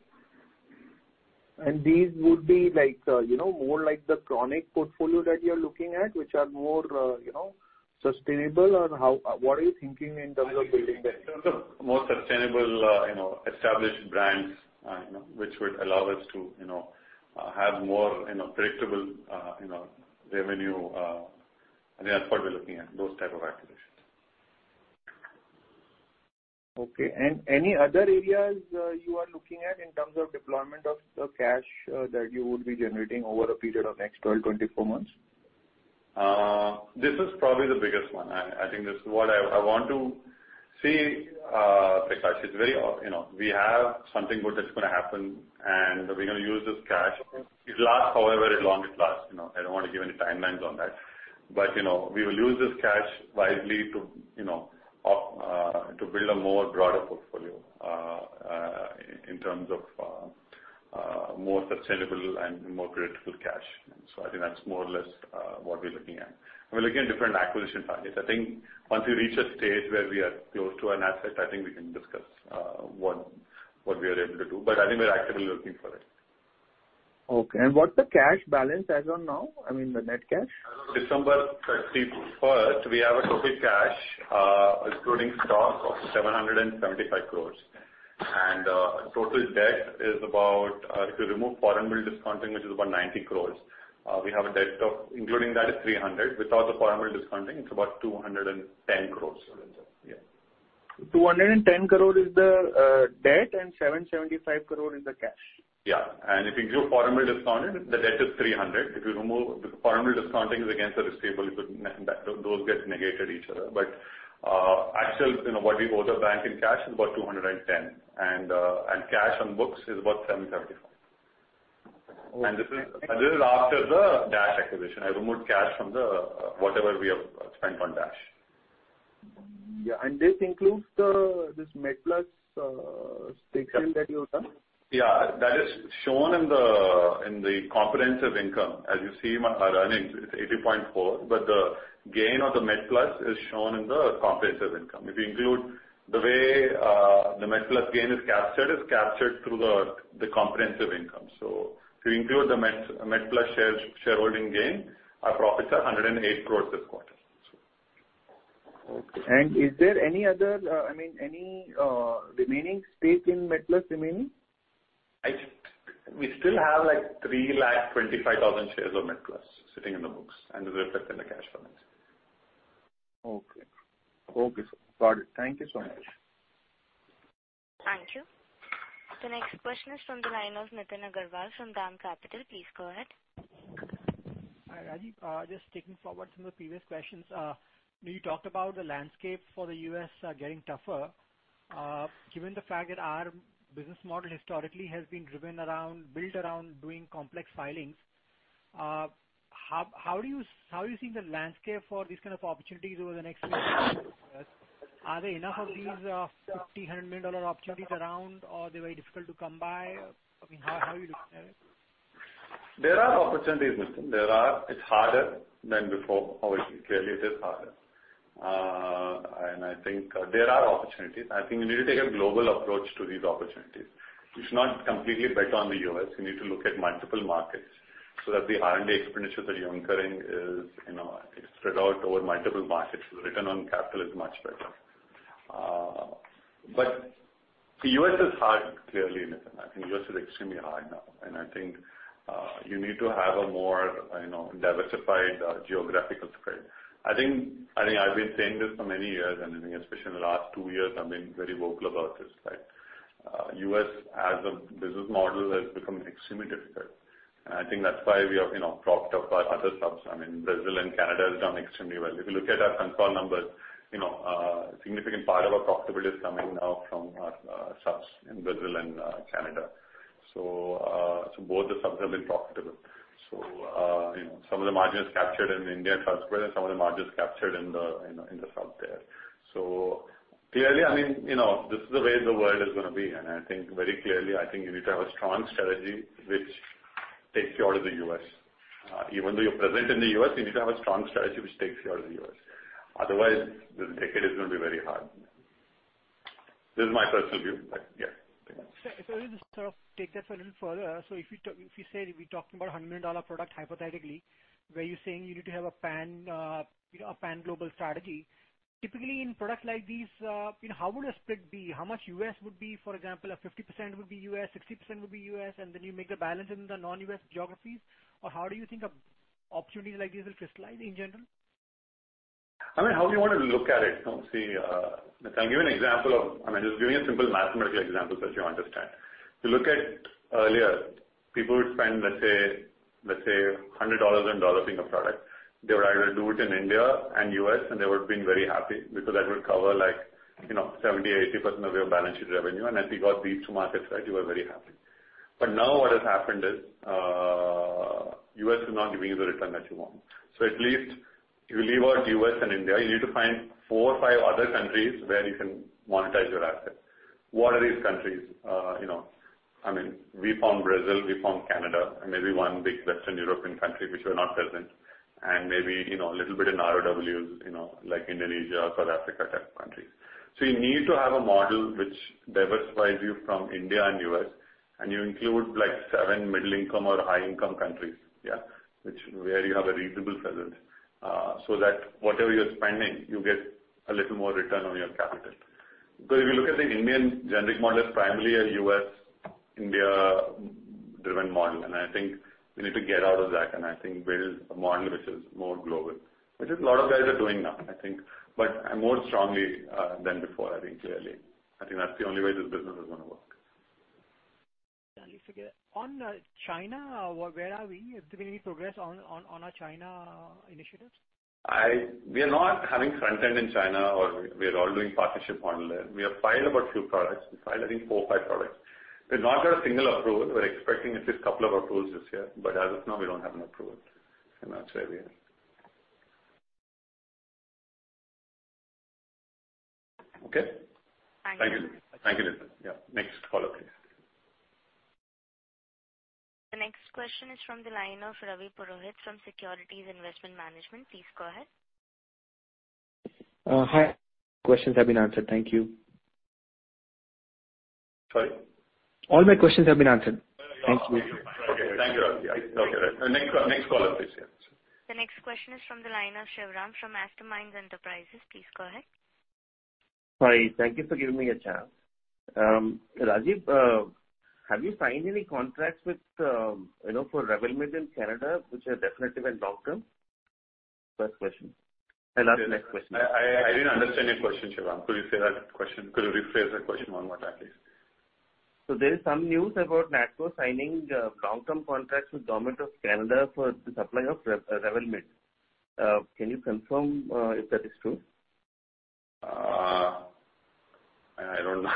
And these would be like, you know, more like the chronic portfolio that you're looking at, which are more, you know, sustainable or how? What are you thinking in terms of building them? More sustainable, you know, established brands, you know, which would allow us to, you know, have more, you know, predictable, you know, revenue, and that's what we're looking at, those type of acquisitions. Okay. And any other areas you are looking at in terms of deployment of the cash that you would be generating over a period of next 12, 24 months? This is probably the biggest one. And I think this is what I want to say, Prakash. It's very, you know. We have something good that's gonna happen and we're gonna use this cash. It lasts however long it lasts. You know, I don't want to give any timelines on that. But you know, we will use this cash wisely to, you know, to build a more broader portfolio, in terms of more sustainable and more predictable cash. So I think that's more or less what we're looking at. We're looking at different acquisition targets. I think once we reach a stage where we are close to an asset, I think we can discuss what we are able to do. But I think we're actively looking for it. Okay. What's the cash balance as on now? I mean, the net cash. December 31st, we have total cash excluding stock of 775 crore. And total debt is about, if you remove foreign bill discounting, which is about 90 crore. We have a debt of including that is 300 crore. Without the foreign bill discounting, it's about 210 crore. Yeah. 210 crore is the debt, and 775 crore is the cash. Yeah. And if you do foreign bill discounting, the debt is 300 crore because if you remove the foreign bill discounting, it's against the receivable, so those negate each other. Actually, what we owe the bank in cash is about 210 crore. And cash on books is about 775 crore. Okay. This is after the Dash acquisition. I removed cash from the whatever we have spent on Dash. Yeah. This includes the MedPlus statement that you have done? Yeah. That is shown in the comprehensive income. As you see in our earnings, it's 3.4. But the gain of the MedPlus is shown in the comprehensive income. If you include the way the MedPlus gain is captured, it's captured through the comprehensive income. If you include the MedPlus shareholding gain, our profits are 108 crore this quarter. Okay. Is there any other, I mean, any remaining stake in MedPlus? We still have like 325,000 shares of MedPlus sitting in the books and reflected in the cash flow. Okay. Got it. Thank you so much. Thank you. The next question is from the line of Nitin Agarwal from DAM Capital. Please go ahead. Hi, Rajeev. Just taking forward from the previous questions. You talked about the landscape for the U.S., getting tougher. Given the fact that our business model historically has been driven around, built around doing complex filings, how are you seeing the landscape for these kind of opportunities over the next years? Are there enough of these $50 million, $100 million opportunities around or they're very difficult to come by? I mean, how are you looking at it? There are opportunities, Nitin. There are. It's harder than before. Obviously, clearly it is harder. I think there are opportunities. I think you need to take a global approach to these opportunities. You should not completely bet on the U.S. You need to look at multiple markets so that the R&D expenditures that you're incurring is, you know, it's spread out over multiple markets. The return on capital is much better. But the U.S. is hard, clearly, Nitin. I think U.S. is extremely hard now, and I think you need to have a more, you know, diversified geographical spread. I think I've been saying this for many years, and I think especially in the last two years, I've been very vocal about this, right? U.S. as a business model has become extremely difficult, and I think that's why we have, you know, propped up our other subs. I mean, Brazil and Canada has done extremely well. If you look at our consolidated numbers, you know, a significant part of our profitability is coming now from our subs in Brazil and Canada. So both the subs have been profitable. You know, some of the margin is captured in India and Switzerland, some of the margin is captured in the, you know, in the south there. Clearly, I mean, you know, this is the way the world is gonna be. I think very clearly, I think you need to have a strong strategy which takes you out of the U.S. Even though you're present in the U.S., you need to have a strong strategy which takes you out of the U.S. Otherwise, this decade is gonna be very hard. This is my personal view. Yeah. Sir, if I were to sort of take that a little further. If you said we're talking about a $100 million product hypothetically, where you're saying you need to have a pan-global strategy. Typically, in products like these, how would a split be? How much U.S. would be, for example, 50% would be U.S., 60% would be U.S., and then you make the balance in the non-U.S. geographies? Or how do you think of opportunities like these will crystallize in general? I mean, how do you want to look at it? See, I'll give you an example. I mean, just giving a simple mathematical example, so that you understand. If you look at earlier, people would spend, let's say, $100 on dosing a product. They would either do it in India and U.S., and they would have been very happy because that would cover like, you know, 70%-80% of your balance sheet revenue. If you got these two markets right, you were very happy. But now what has happened is, U.S. is not giving you the return that you want. So at least you leave out U.S. and India. You need to find four or five other countries where you can monetize your assets. What are these countries? You know, I mean, we found Brazil, we found Canada, and maybe one big Western European country which we're not present, and maybe, you know, a little bit in ROW, you know, like Indonesia or South Africa type countries. You need to have a model which diversifies you from India and U.S., and you include like seven middle income or high income countries. Yeah. Which where you have a reasonable presence, so that whatever you're spending, you get a little more return on your capital. Because if you look at the Indian generic model, it's primarily a U.S., India driven model. I think we need to get out of that and I think build a model which is more global. Which is a lot of guys are doing now, I think. But more strongly, than before, I think clearly. I think that's the only way this business is gonna work. On China, where are we? Have there been any progress on our China initiatives? We are not having front end in China or we are all doing partnership model there. We have filed about few products. We filed I think four or five products. We've not got a single approval. We're expecting at least couple of approvals this year, but as of now we don't have an approval. That's where we are. Okay? Thank you. Thank you. Thank you, Nitin. Yeah. Next caller, please. The next question is from the line of Ravi Purohit from Securities Investment Management. Please go ahead. Hi. Questions have been answered. Thank you. Sorry? All my questions have been answered. Thank you. Okay. Thank you, Ravi. Okay. Next caller please. Yeah. The next question is from the line of Shivram from [Astomind] Enterprises. Please go ahead. Sorry. Thank you for giving me a chance. Rajeev, have you signed any contracts with, for Revlimid in Canada, which are definitive and long-term? First question. And I'll say the next question. I didn't understand your question, Shivram. Could you rephrase that question one more time, please. There is some news about Natco signing long-term contracts with Government of Canada for the supply of Revlimid. Can you confirm if that is true? I don't know.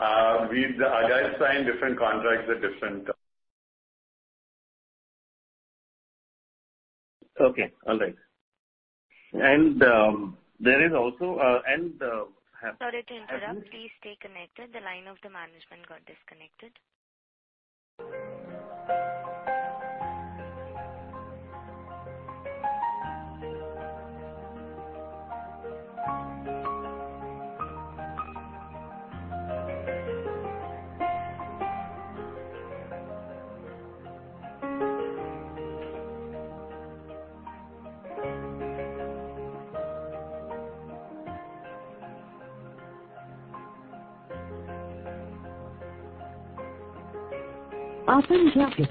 Our guys sign different contracts at different- Okay. All right. And there is also. Sorry to interrupt. Please stay connected. The line of the management got disconnected. Ladies and gentlemen,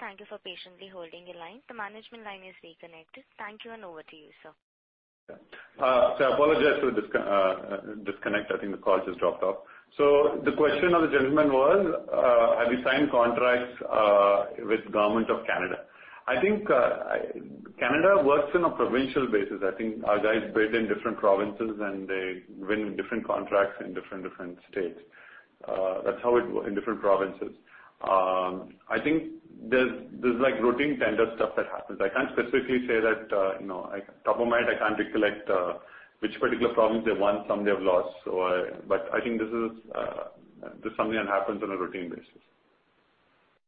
thank you for patiently holding the line. The management line is reconnected. Thank you, and over to you, sir. I apologize for the disconnect. I think the call just dropped off. So the question of the gentleman was, have you signed contracts with Government of Canada? I think Canada works in a provincial basis. I think our guys bid in different provinces and they win different contracts in different states. That's how it works in different provinces. I think there's like routine tender stuff that happens. I can't specifically say that, you know, top of mind, I can't recollect which particular province they won. Some they have lost. But I think this is something that happens on a routine basis.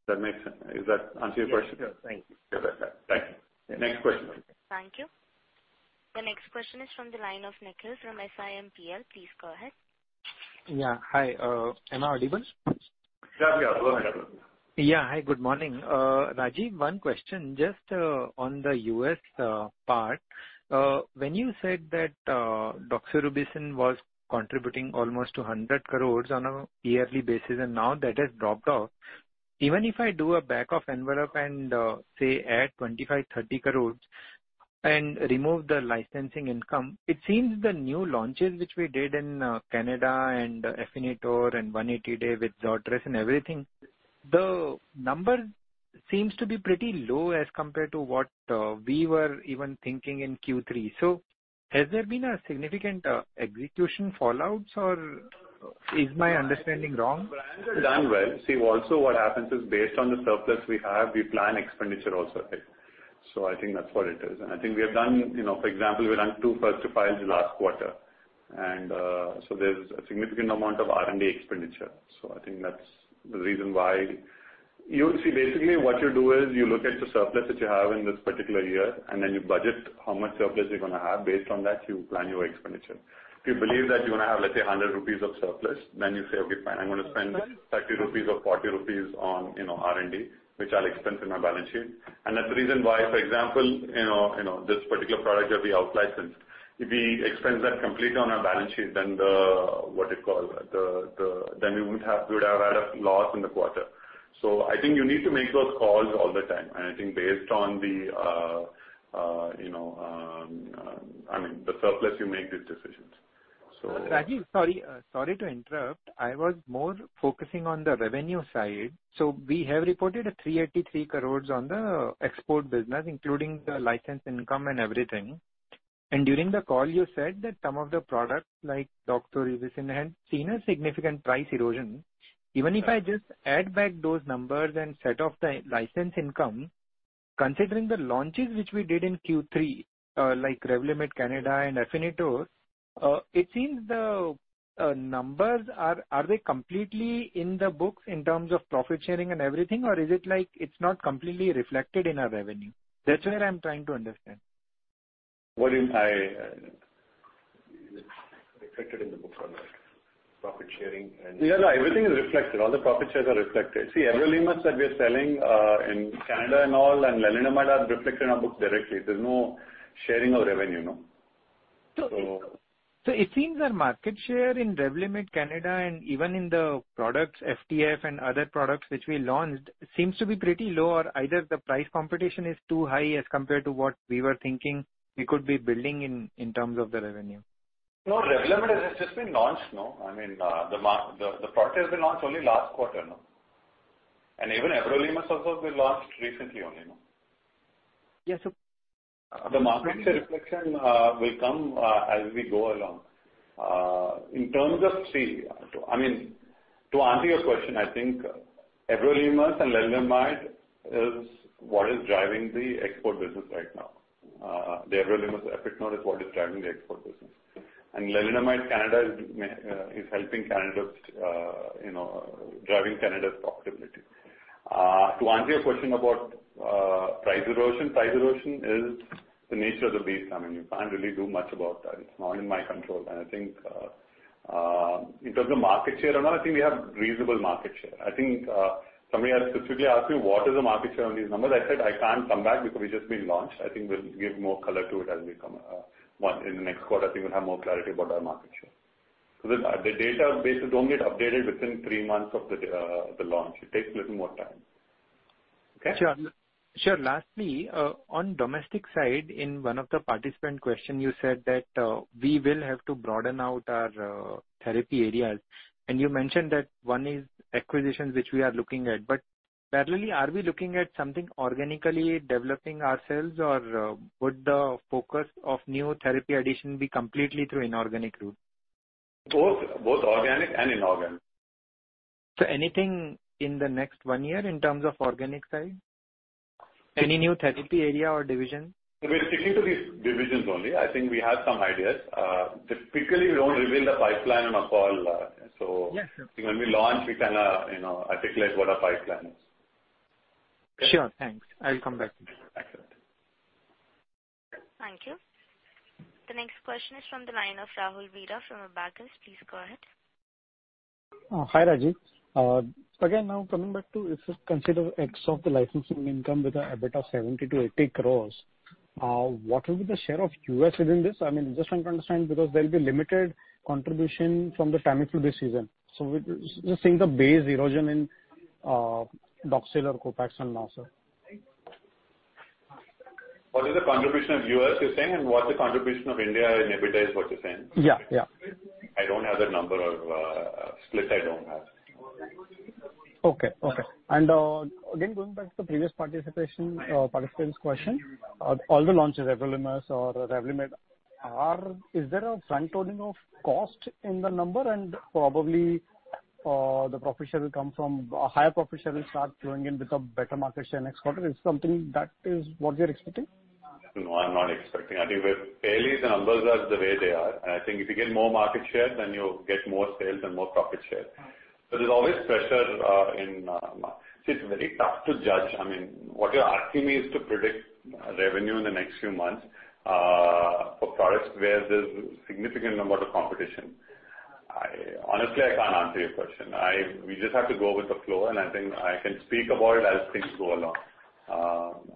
Does that make sense? Does that answer your question? Yes. Sure. Thank you. You're welcome. Thank you. Next question. Thank you. The next question is from the line of Nikhil from SIMPL. Please go ahead. Yeah. Hi. Am I audible? Yeah. Go ahead, Nikhil. Yeah. Hi. Good morning. Rajeev, one question just on the U.S. part. When you said that doxorubicin was contributing almost 100 crore on a yearly basis, and now that has dropped off. Even if I do a back-of-the-envelope and say add 25 crore-30 crore and remove the licensing income, it seems the new launches which we did in Canada and Afinitor and 180-day with Zortress and everything, the numbers seems to be pretty low as compared to what we were even thinking in Q3. Has there been a significant execution fallouts or is my understanding wrong? See, also what happens is, based on the surplus we have, we plan expenditure also. I think that's what it is. I think we have done, you know, for example, we ran two first-to-files last quarter, and so there's a significant amount of R&D expenditure. So I think that's the reason why you see, basically what you do is you look at the surplus that you have in this particular year, and then you budget how much surplus you're gonna have. Based on that, you plan your expenditure. If you believe that you're gonna have, let's say, 100 rupees of surplus, then you say, "Okay, fine. I'm gonna spend 30 rupees or 40 rupees on, you know, R&D, which I'll expense in my balance sheet." That's the reason why, for example, you know, this particular product will be out licensed. If we expense that completely on our balance sheet, then we would have had a loss in the quarter. I think you need to make those calls all the time. I think based on, I mean, the surplus, you make these decisions. Rajeev, sorry. Sorry to interrupt. I was more focusing on the revenue side. We have reported 383 crore on the export business, including the license income and everything. During the call you said that some of the products like doxorubicin had seen a significant price erosion. Even if I just add back those numbers and offset the license income, considering the launches which we did in Q3, like Revlimid Canada and Afinitor, it seems the numbers are they completely in the books in terms of profit sharing and everything, or is it like it's not completely reflected in our revenue? That's where I'm trying to understand. What I... I, uh- Reflected in the books on that profit sharing. Yeah. No. Everything is reflected. All the profit shares are reflected. See, everolimus that we are selling in Canada and all and lenalidomide are reflected in our books directly. There's no sharing of revenue, no. So it seems our market share in Revlimid Canada and even in the products FTF and other products which we launched seems to be pretty low or either the price competition is too high as compared to what we were thinking we could be building in terms of the revenue. No, Revlimid has just been launched, no. I mean, the product has been launched only last quarter, no. And even Everolimus also has been launched recently only, no. Yeah. The market share reflection will come as we go along. In terms of, see, I mean, to answer your question, I think everolimus and lenalidomide is what is driving the export business right now. The everolimus Afinitor is what is driving the export business. And lenalidomide Canada is helping, you know, driving Canada's profitability. To answer your question about price erosion, price erosion is the nature of the beast. I mean, you can't really do much about that. It's not in my control. I think in terms of market share or not, I think we have reasonable market share. I think somebody has specifically asked me what is the market share on these numbers. I said I can't come back because we've just been launched. I think we'll give more color to it as we come more in the next quarter. I think we'll have more clarity about our market share. Because the data basically don't get updated within three months of the launch. It takes a little more time. Okay? Sure. Lastly, on domestic side, in one of the participant's question, you said that we will have to broaden out our therapy areas. You mentioned that one is acquisitions, which we are looking at, but. Parallelly, are we looking at something organically developing ourselves or would the focus of new therapy addition be completely through inorganic route? Both organic and inorganic. Anything in the next one year in terms of organic side? Any new therapy area or division? We're sticking to these divisions only. I think we have some ideas. Typically, we don't reveal the pipeline on a call, so. Yes, sure. When we launch, we can, you know, articulate what our pipeline is. Sure. Thanks. I'll come back to you. Excellent. Thank you. The next question is from the line of Rahul Veera from Abakkus. Please go ahead. Hi, Rajeev. Again, now coming back to if you consider X of the licensing income with a EBITDA of 70 crore-80 crore, what will be the share of U.S. within this? I mean, just trying to understand, because there'll be limited contribution from the Tamiflu this season. Just seeing the base erosion in Doxil or Copaxone now, sir. What is the contribution of U.S., you're saying, and what's the contribution of India in EBITDA is what you're saying? Yeah. Yeah. I don't have that number or split. I don't have. Okay. Again, going back to the previous participant's question, all the launches, everolimus or Revlimid. Is there a front-loading of cost in the number and probably the profit share will come from a higher profit share will start flowing in with a better market share next quarter? Is that what you're expecting? No, I'm not expecting. I think with fairly the numbers are the way they are and I think if you get more market share, then you get more sales and more profit shares. But there is always pressure in, it is very tough to judge what you are asking me is to predict revenue in the next few months for products where there is significant number of competition. Honestly, I cannot answer your question. I, we just have to go with the flow and I think I can speak about it as things go along.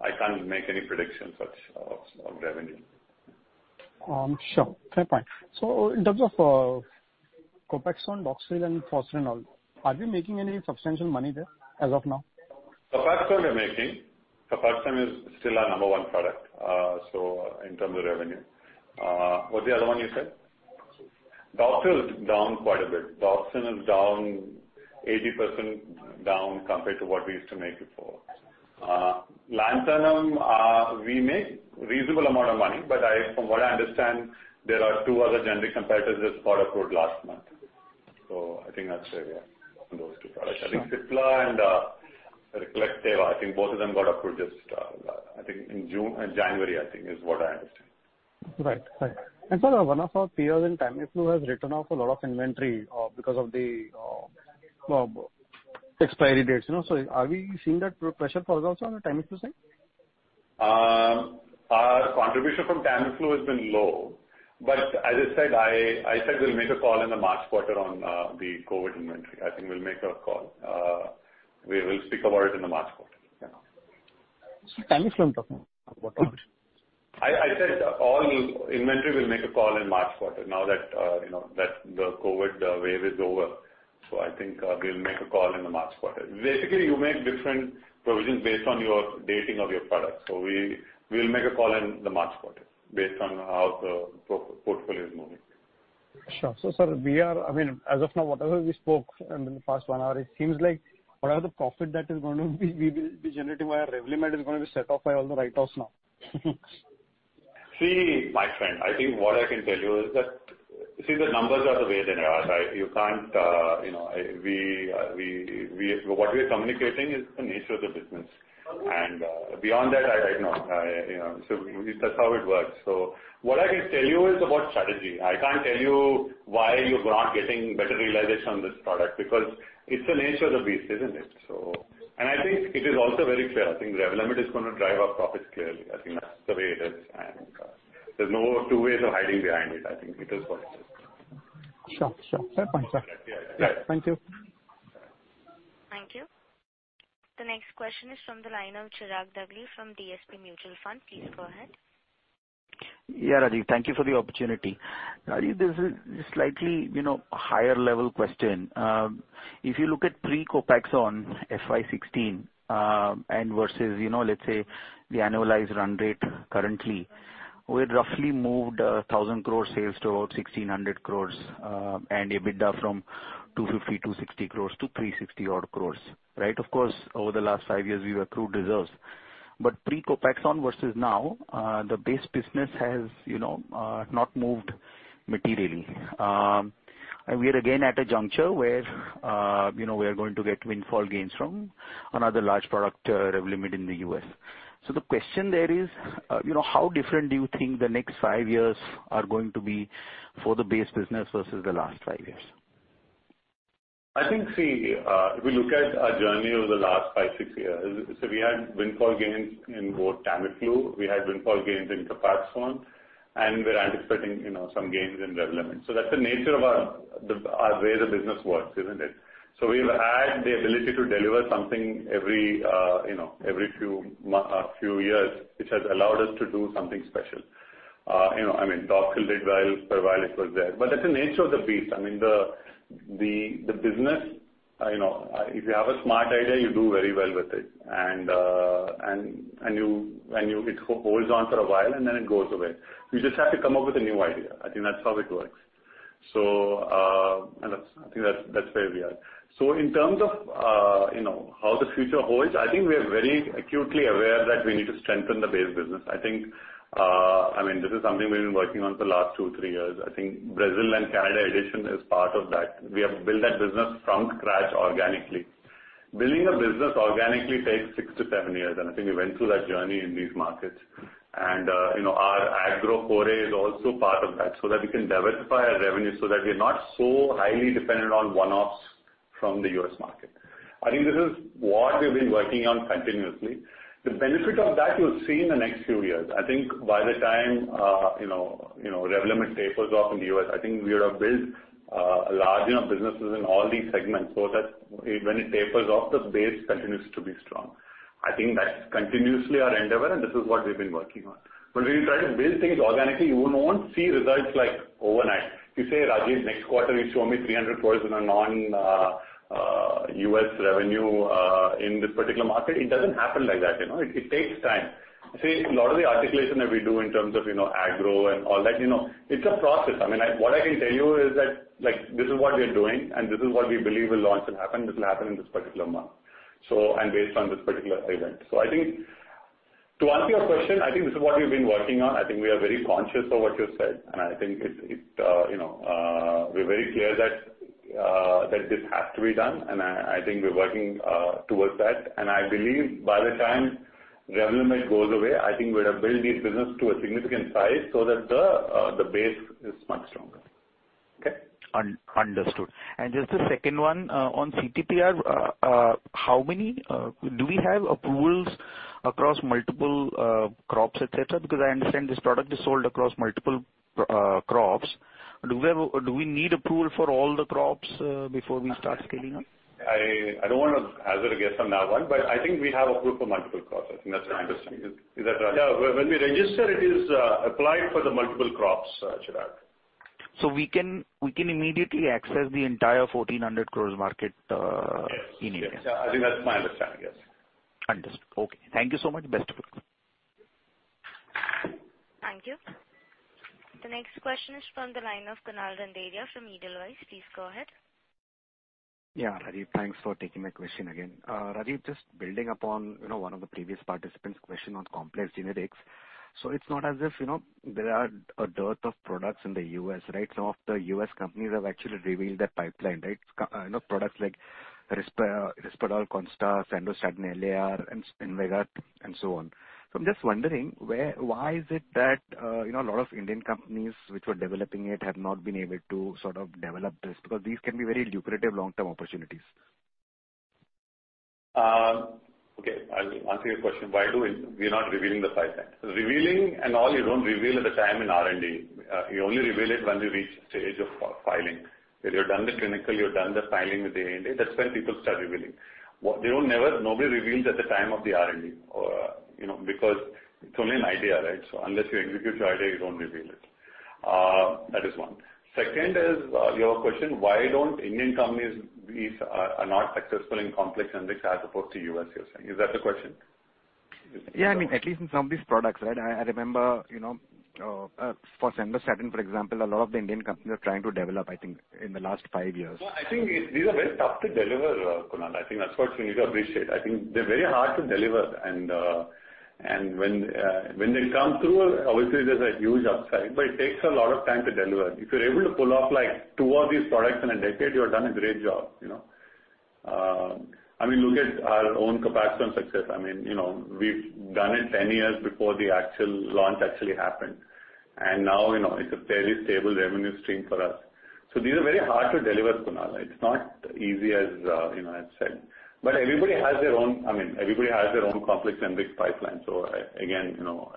I cannot make any predictions of revenue. Sure. Fair point. So in terms of Copaxone, Doxil and Fosrenol, are we making any substantial money there as of now? Copaxone we're making. Copaxone is still our number one product, so in terms of revenue. What's the other one you said? Doxil. Doxil is down quite a bit. Doxil is down 80% down compared to what we used to make before. Lanthanum, we make reasonable amount of money, but I, from what I understand, there are two other generic competitors that got approved last month. I think that's where we are on those two products. Sure. I think Cipla and Teva I think both of them got approved just I think in June January I think is what I understand. Right. Sir, one of our peers in Tamiflu has written off a lot of inventory because of the expiry dates, you know. So are we seeing that pressure for us on the Tamiflu side? Our contribution from Tamiflu has been low. But as I said, we'll make a call in the March quarter on the COVID inventory. I think we'll make a call. We will speak about it in the March quarter. Yeah. Tamiflu I'm talking about. I said we'll make a call on all inventory in the March quarter now that the COVID wave is over. So I think we'll make a call in the March quarter. Basically, you make different provisions based on your dating of your product. We'll make a call in the March quarter based on how the portfolio is moving. Sure. Sir, I mean, as of now, whatever we spoke in the past one hour, it seems like whatever the profit that is going to be, we will be generating via Revlimid is gonna be set off by all the write-offs now. See, my friend, I think what I can tell you is that, see, the numbers are the way they are, right? You can't, you know. What we are communicating is the nature of the business. And beyond that, I don't know. So you know, that's how it works. So what I can tell you is about strategy. I can't tell you why you're not getting better realization on this product because it's the nature of the beast, isn't it? And I think it is also very clear. I think Revlimid is gonna drive our profits clearly. I think that's the way it is and, there's no two ways of hiding behind it. I think it is what it is. Sure. Fair point, sir. Yeah. Thank you. Thank you. The next question is from the line of Chirag Dagli from DSP Mutual Fund. Please go ahead. Yeah, Rajeev. Thank you for the opportunity. Rajeev, this is slightly, you know, higher level question. If you look at pre-Copaxone FY 2016, and versus, you know, let's say the annualized run rate currently, we had roughly moved 1,000 crore sales to about 1,600 crore, and EBITDA from 250 crore to 360 crore. Right? Of course, over the last five years we've accrued reserves. But pre-Copaxone versus now, the base business has, you know, not moved materially. We are again at a juncture where, you know, we are going to get windfall gains from another large product, Revlimid in the U.S. The question there is, you know, how different do you think the next five years are going to be for the base business versus the last five years? I think, see, if we look at our journey over the last five, six years, we had windfall gains in both Tamiflu, we had windfall gains in Copaxone, and we're anticipating, you know, some gains in Revlimid. That's the nature of the way our business works, isn't it? So we've had the ability to deliver something every, you know, every few years, which has allowed us to do something special. You know, I mean, Doxil did well while it was there. But that's the nature of the beast. I mean, the business, you know, if you have a smart idea, you do very well with it and it holds on for a while and then it goes away. You just have to come up with a new idea. I think that's how it works. And that's where we are. In terms of how the future holds, I think we are very acutely aware that we need to strengthen the base business. I think, I mean, this is something we've been working on for the last two or three years. I think Brazil and Canada expansion is part of that. We have built that business from scratch organically. Building a business organically takes six to seven years, and I think we went through that journey in these markets. You know, our agro foray is also part of that, so that we can diversify our revenue so that we're not so highly dependent on one-offs from the U.S. market. I think this is what we've been working on continuously. The benefit of that you'll see in the next few years. I think by the time, Revlimid tapers off in the U.S., I think we would have built, large enough businesses in all these segments so that when it tapers off, the base continues to be strong. I think that's continuously our endeavor, and this is what we've been working on. When we try to build things organically, you won't see results like overnight. You say, "Rajeev, next quarter you show me 300 crore in a non-U.S. revenue, in this particular market." It doesn't happen like that, you know. It takes time. See, a lot of the articulation that we do in terms of, agro and all that, it's a process. I mean, I... What I can tell you is that, like, this is what we are doing and this is what we believe will launch and happen. This will happen in this particular month based on this particular event. I think to answer your question, I think this is what we've been working on. I think we are very conscious of what you said, and I think it's, you know, we're very clear that this has to be done, and I think we're working towards that. I believe by the time Revlimid goes away, I think we'd have built this business to a significant size so that the base is much stronger. Okay? Understood. Just a second one on CTPR. How many do we have approvals across multiple crops, et cetera? Because I understand this product is sold across multiple crops. Do we need approval for all the crops before we start scaling up? I don't wanna hazard a guess on that one, but I think we have approved for multiple crops. I think that's. Interesting. Is that right? Yeah. When we register it is applied for the multiple crops, Chirag. So we can immediately access the entire 1,400 crore market in India. Yes. Yes. I think that's my understanding. Yes. Understood. Okay. Thank you so much. Best of luck. Thank you. The next question is from the line of Kunal Randeria from Edelweiss. Please go ahead. Yeah. Rajeev, thanks for taking my question again. Rajeev, just building upon, you know, one of the previous participant's question on complex generics. It's not as if, you know, there are a dearth of products in the U.S., right? Some of the U.S. companies have actually revealed their pipeline, right? You know, products like Risperdal Consta, Sandostatin LAR, and Invega and so on. I'm just wondering where, why is it that, you know, a lot of Indian companies which were developing it have not been able to sort of develop this? Because these can be very lucrative long-term opportunities. Okay. I'll answer your question. Why do we? We're not revealing the pipeline. Revealing and all, you don't reveal at the time in R&D. You only reveal it when you reach stage of filing where you're done the clinical, you're done the filing with the ANDA, that's when people start revealing. They don't never. Nobody reveals at the time of the R&D or, you know, because it's only an idea, right? So unless you execute your idea, you don't reveal it. That is one. Second is, your question, why don't Indian companies these are not successful in complex generics as opposed to U.S., you're saying. Is that the question? Yeah. I mean, at least in some of these products, right? I remember, you know, for Sandostatin, for example, a lot of the Indian companies are trying to develop, I think, in the last five years. No, I think these are very tough to deliver, Kunal. I think that's what you need to appreciate. I think they're very hard to deliver and when they come through, obviously there's a huge upside, but it takes a lot of time to deliver. If you're able to pull off like two of these products in a decade, you have done a great job, you know. I mean, look at our own capacity and success. I mean, you know, we've done it 10 years before the actual launch actually happened, and now, you know, it's a fairly stable revenue stream for us. These are very hard to deliver, Kunal. It's not as easy as, you know, it's said. But everybody has their own complex generics pipeline. Again, you know,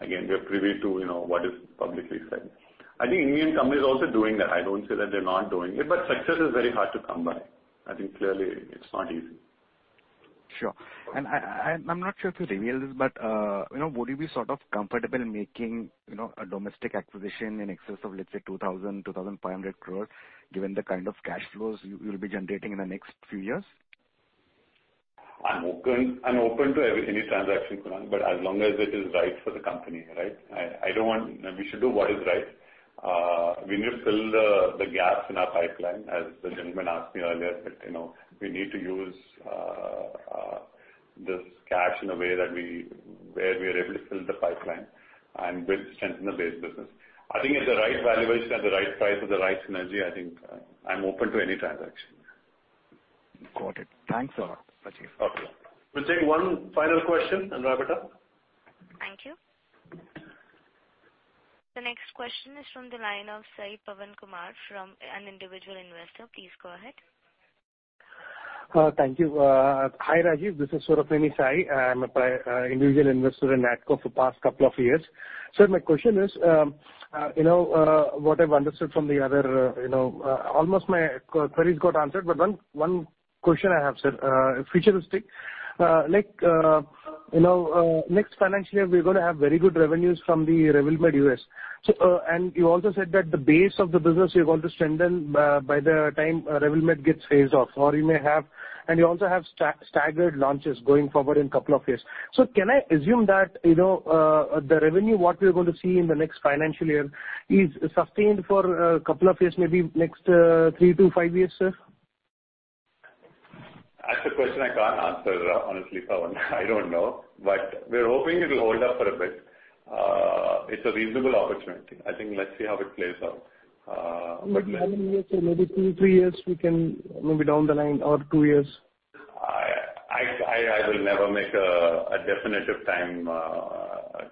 again, we are privy to, you know, what is publicly said. I think Indian companies are also doing that. I don't say that they're not doing it, but success is very hard to come by. I think clearly it's not easy. Sure. I'm not sure if you revealed this, but you know, would you be sort of comfortable in making, you know, a domestic acquisition in excess of, let's say 2,500 crore, given the kind of cash flows you'll be generating in the next few years? I'm open to any transaction, Kunal, but as long as it is right for the company, right? I don't want. We should do what is right. We need to fill the gaps in our pipeline, as the gentleman asked me earlier. You know, we need to use this cash in a way that we, where we are able to fill the pipeline and build, strengthen the base business. I think at the right valuation, at the right price, with the right synergy, I think, I'm open to any transaction. Got it. Thanks a lot, Rajeev. Okay. We'll take one final question and wrap it up. Thank you. The next question is from the line of Sai Pavan Kumar from an individual investor. Please go ahead. Thank you. Hi, Rajeev. This is Surapaneni Sai. I'm an individual investor in Natco for the past couple of years. Sir, my question is, you know, what I've understood from the other, you know, almost my queries got answered, but one question I have, sir, futuristic. Like, you know, next financial year, we're gonna have very good revenues from the Revlimid U.S. So, and you also said that the base of the business you're going to strengthen by the time Revlimid gets phased off, or you may have. And you also have staggered launches going forward in couple of years. Can I assume that, you know, the revenue, what we're going to see in the next financial year is sustained for a couple of years, maybe next three to five years, sir? That's a question I can't answer, honestly. So I don't know. We're hoping it'll hold up for a bit. It's a reasonable opportunity. I think let's see how it plays out. How many years? Maybe two, three years we can, maybe down the line or two years. I will never make a definitive time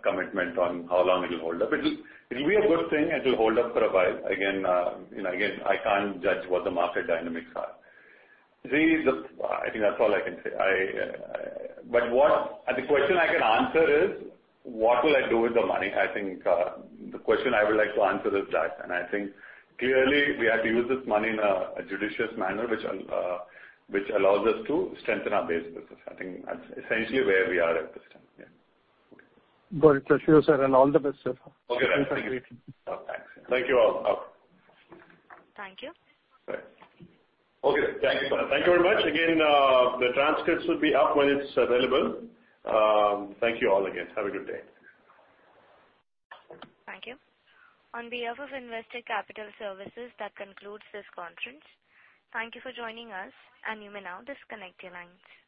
commitment on how long it'll hold up. It'll be a good thing. It'll hold up for a while. Again, you know, I can't judge what the market dynamics are. See, that's. I think that's all I can say. But the question I can answer is, what will I do with the money? I think the question I would like to answer is that, and I think clearly we have to use this money in a judicious manner which allows us to strengthen our base business. I think that's essentially where we are at this time. Yeah. Got it. Sure, sir, and all the best, sir. Okay. Thanks again. Oh, thanks. Thank you all. Thank you. Okay. Thank you. Thank you very much. Again, the transcripts will be up when it's available. Thank you all again. Have a good day. Thank you. On behalf of Investec Capital Services, that concludes this conference. Thank you for joining us, and you may now disconnect your lines.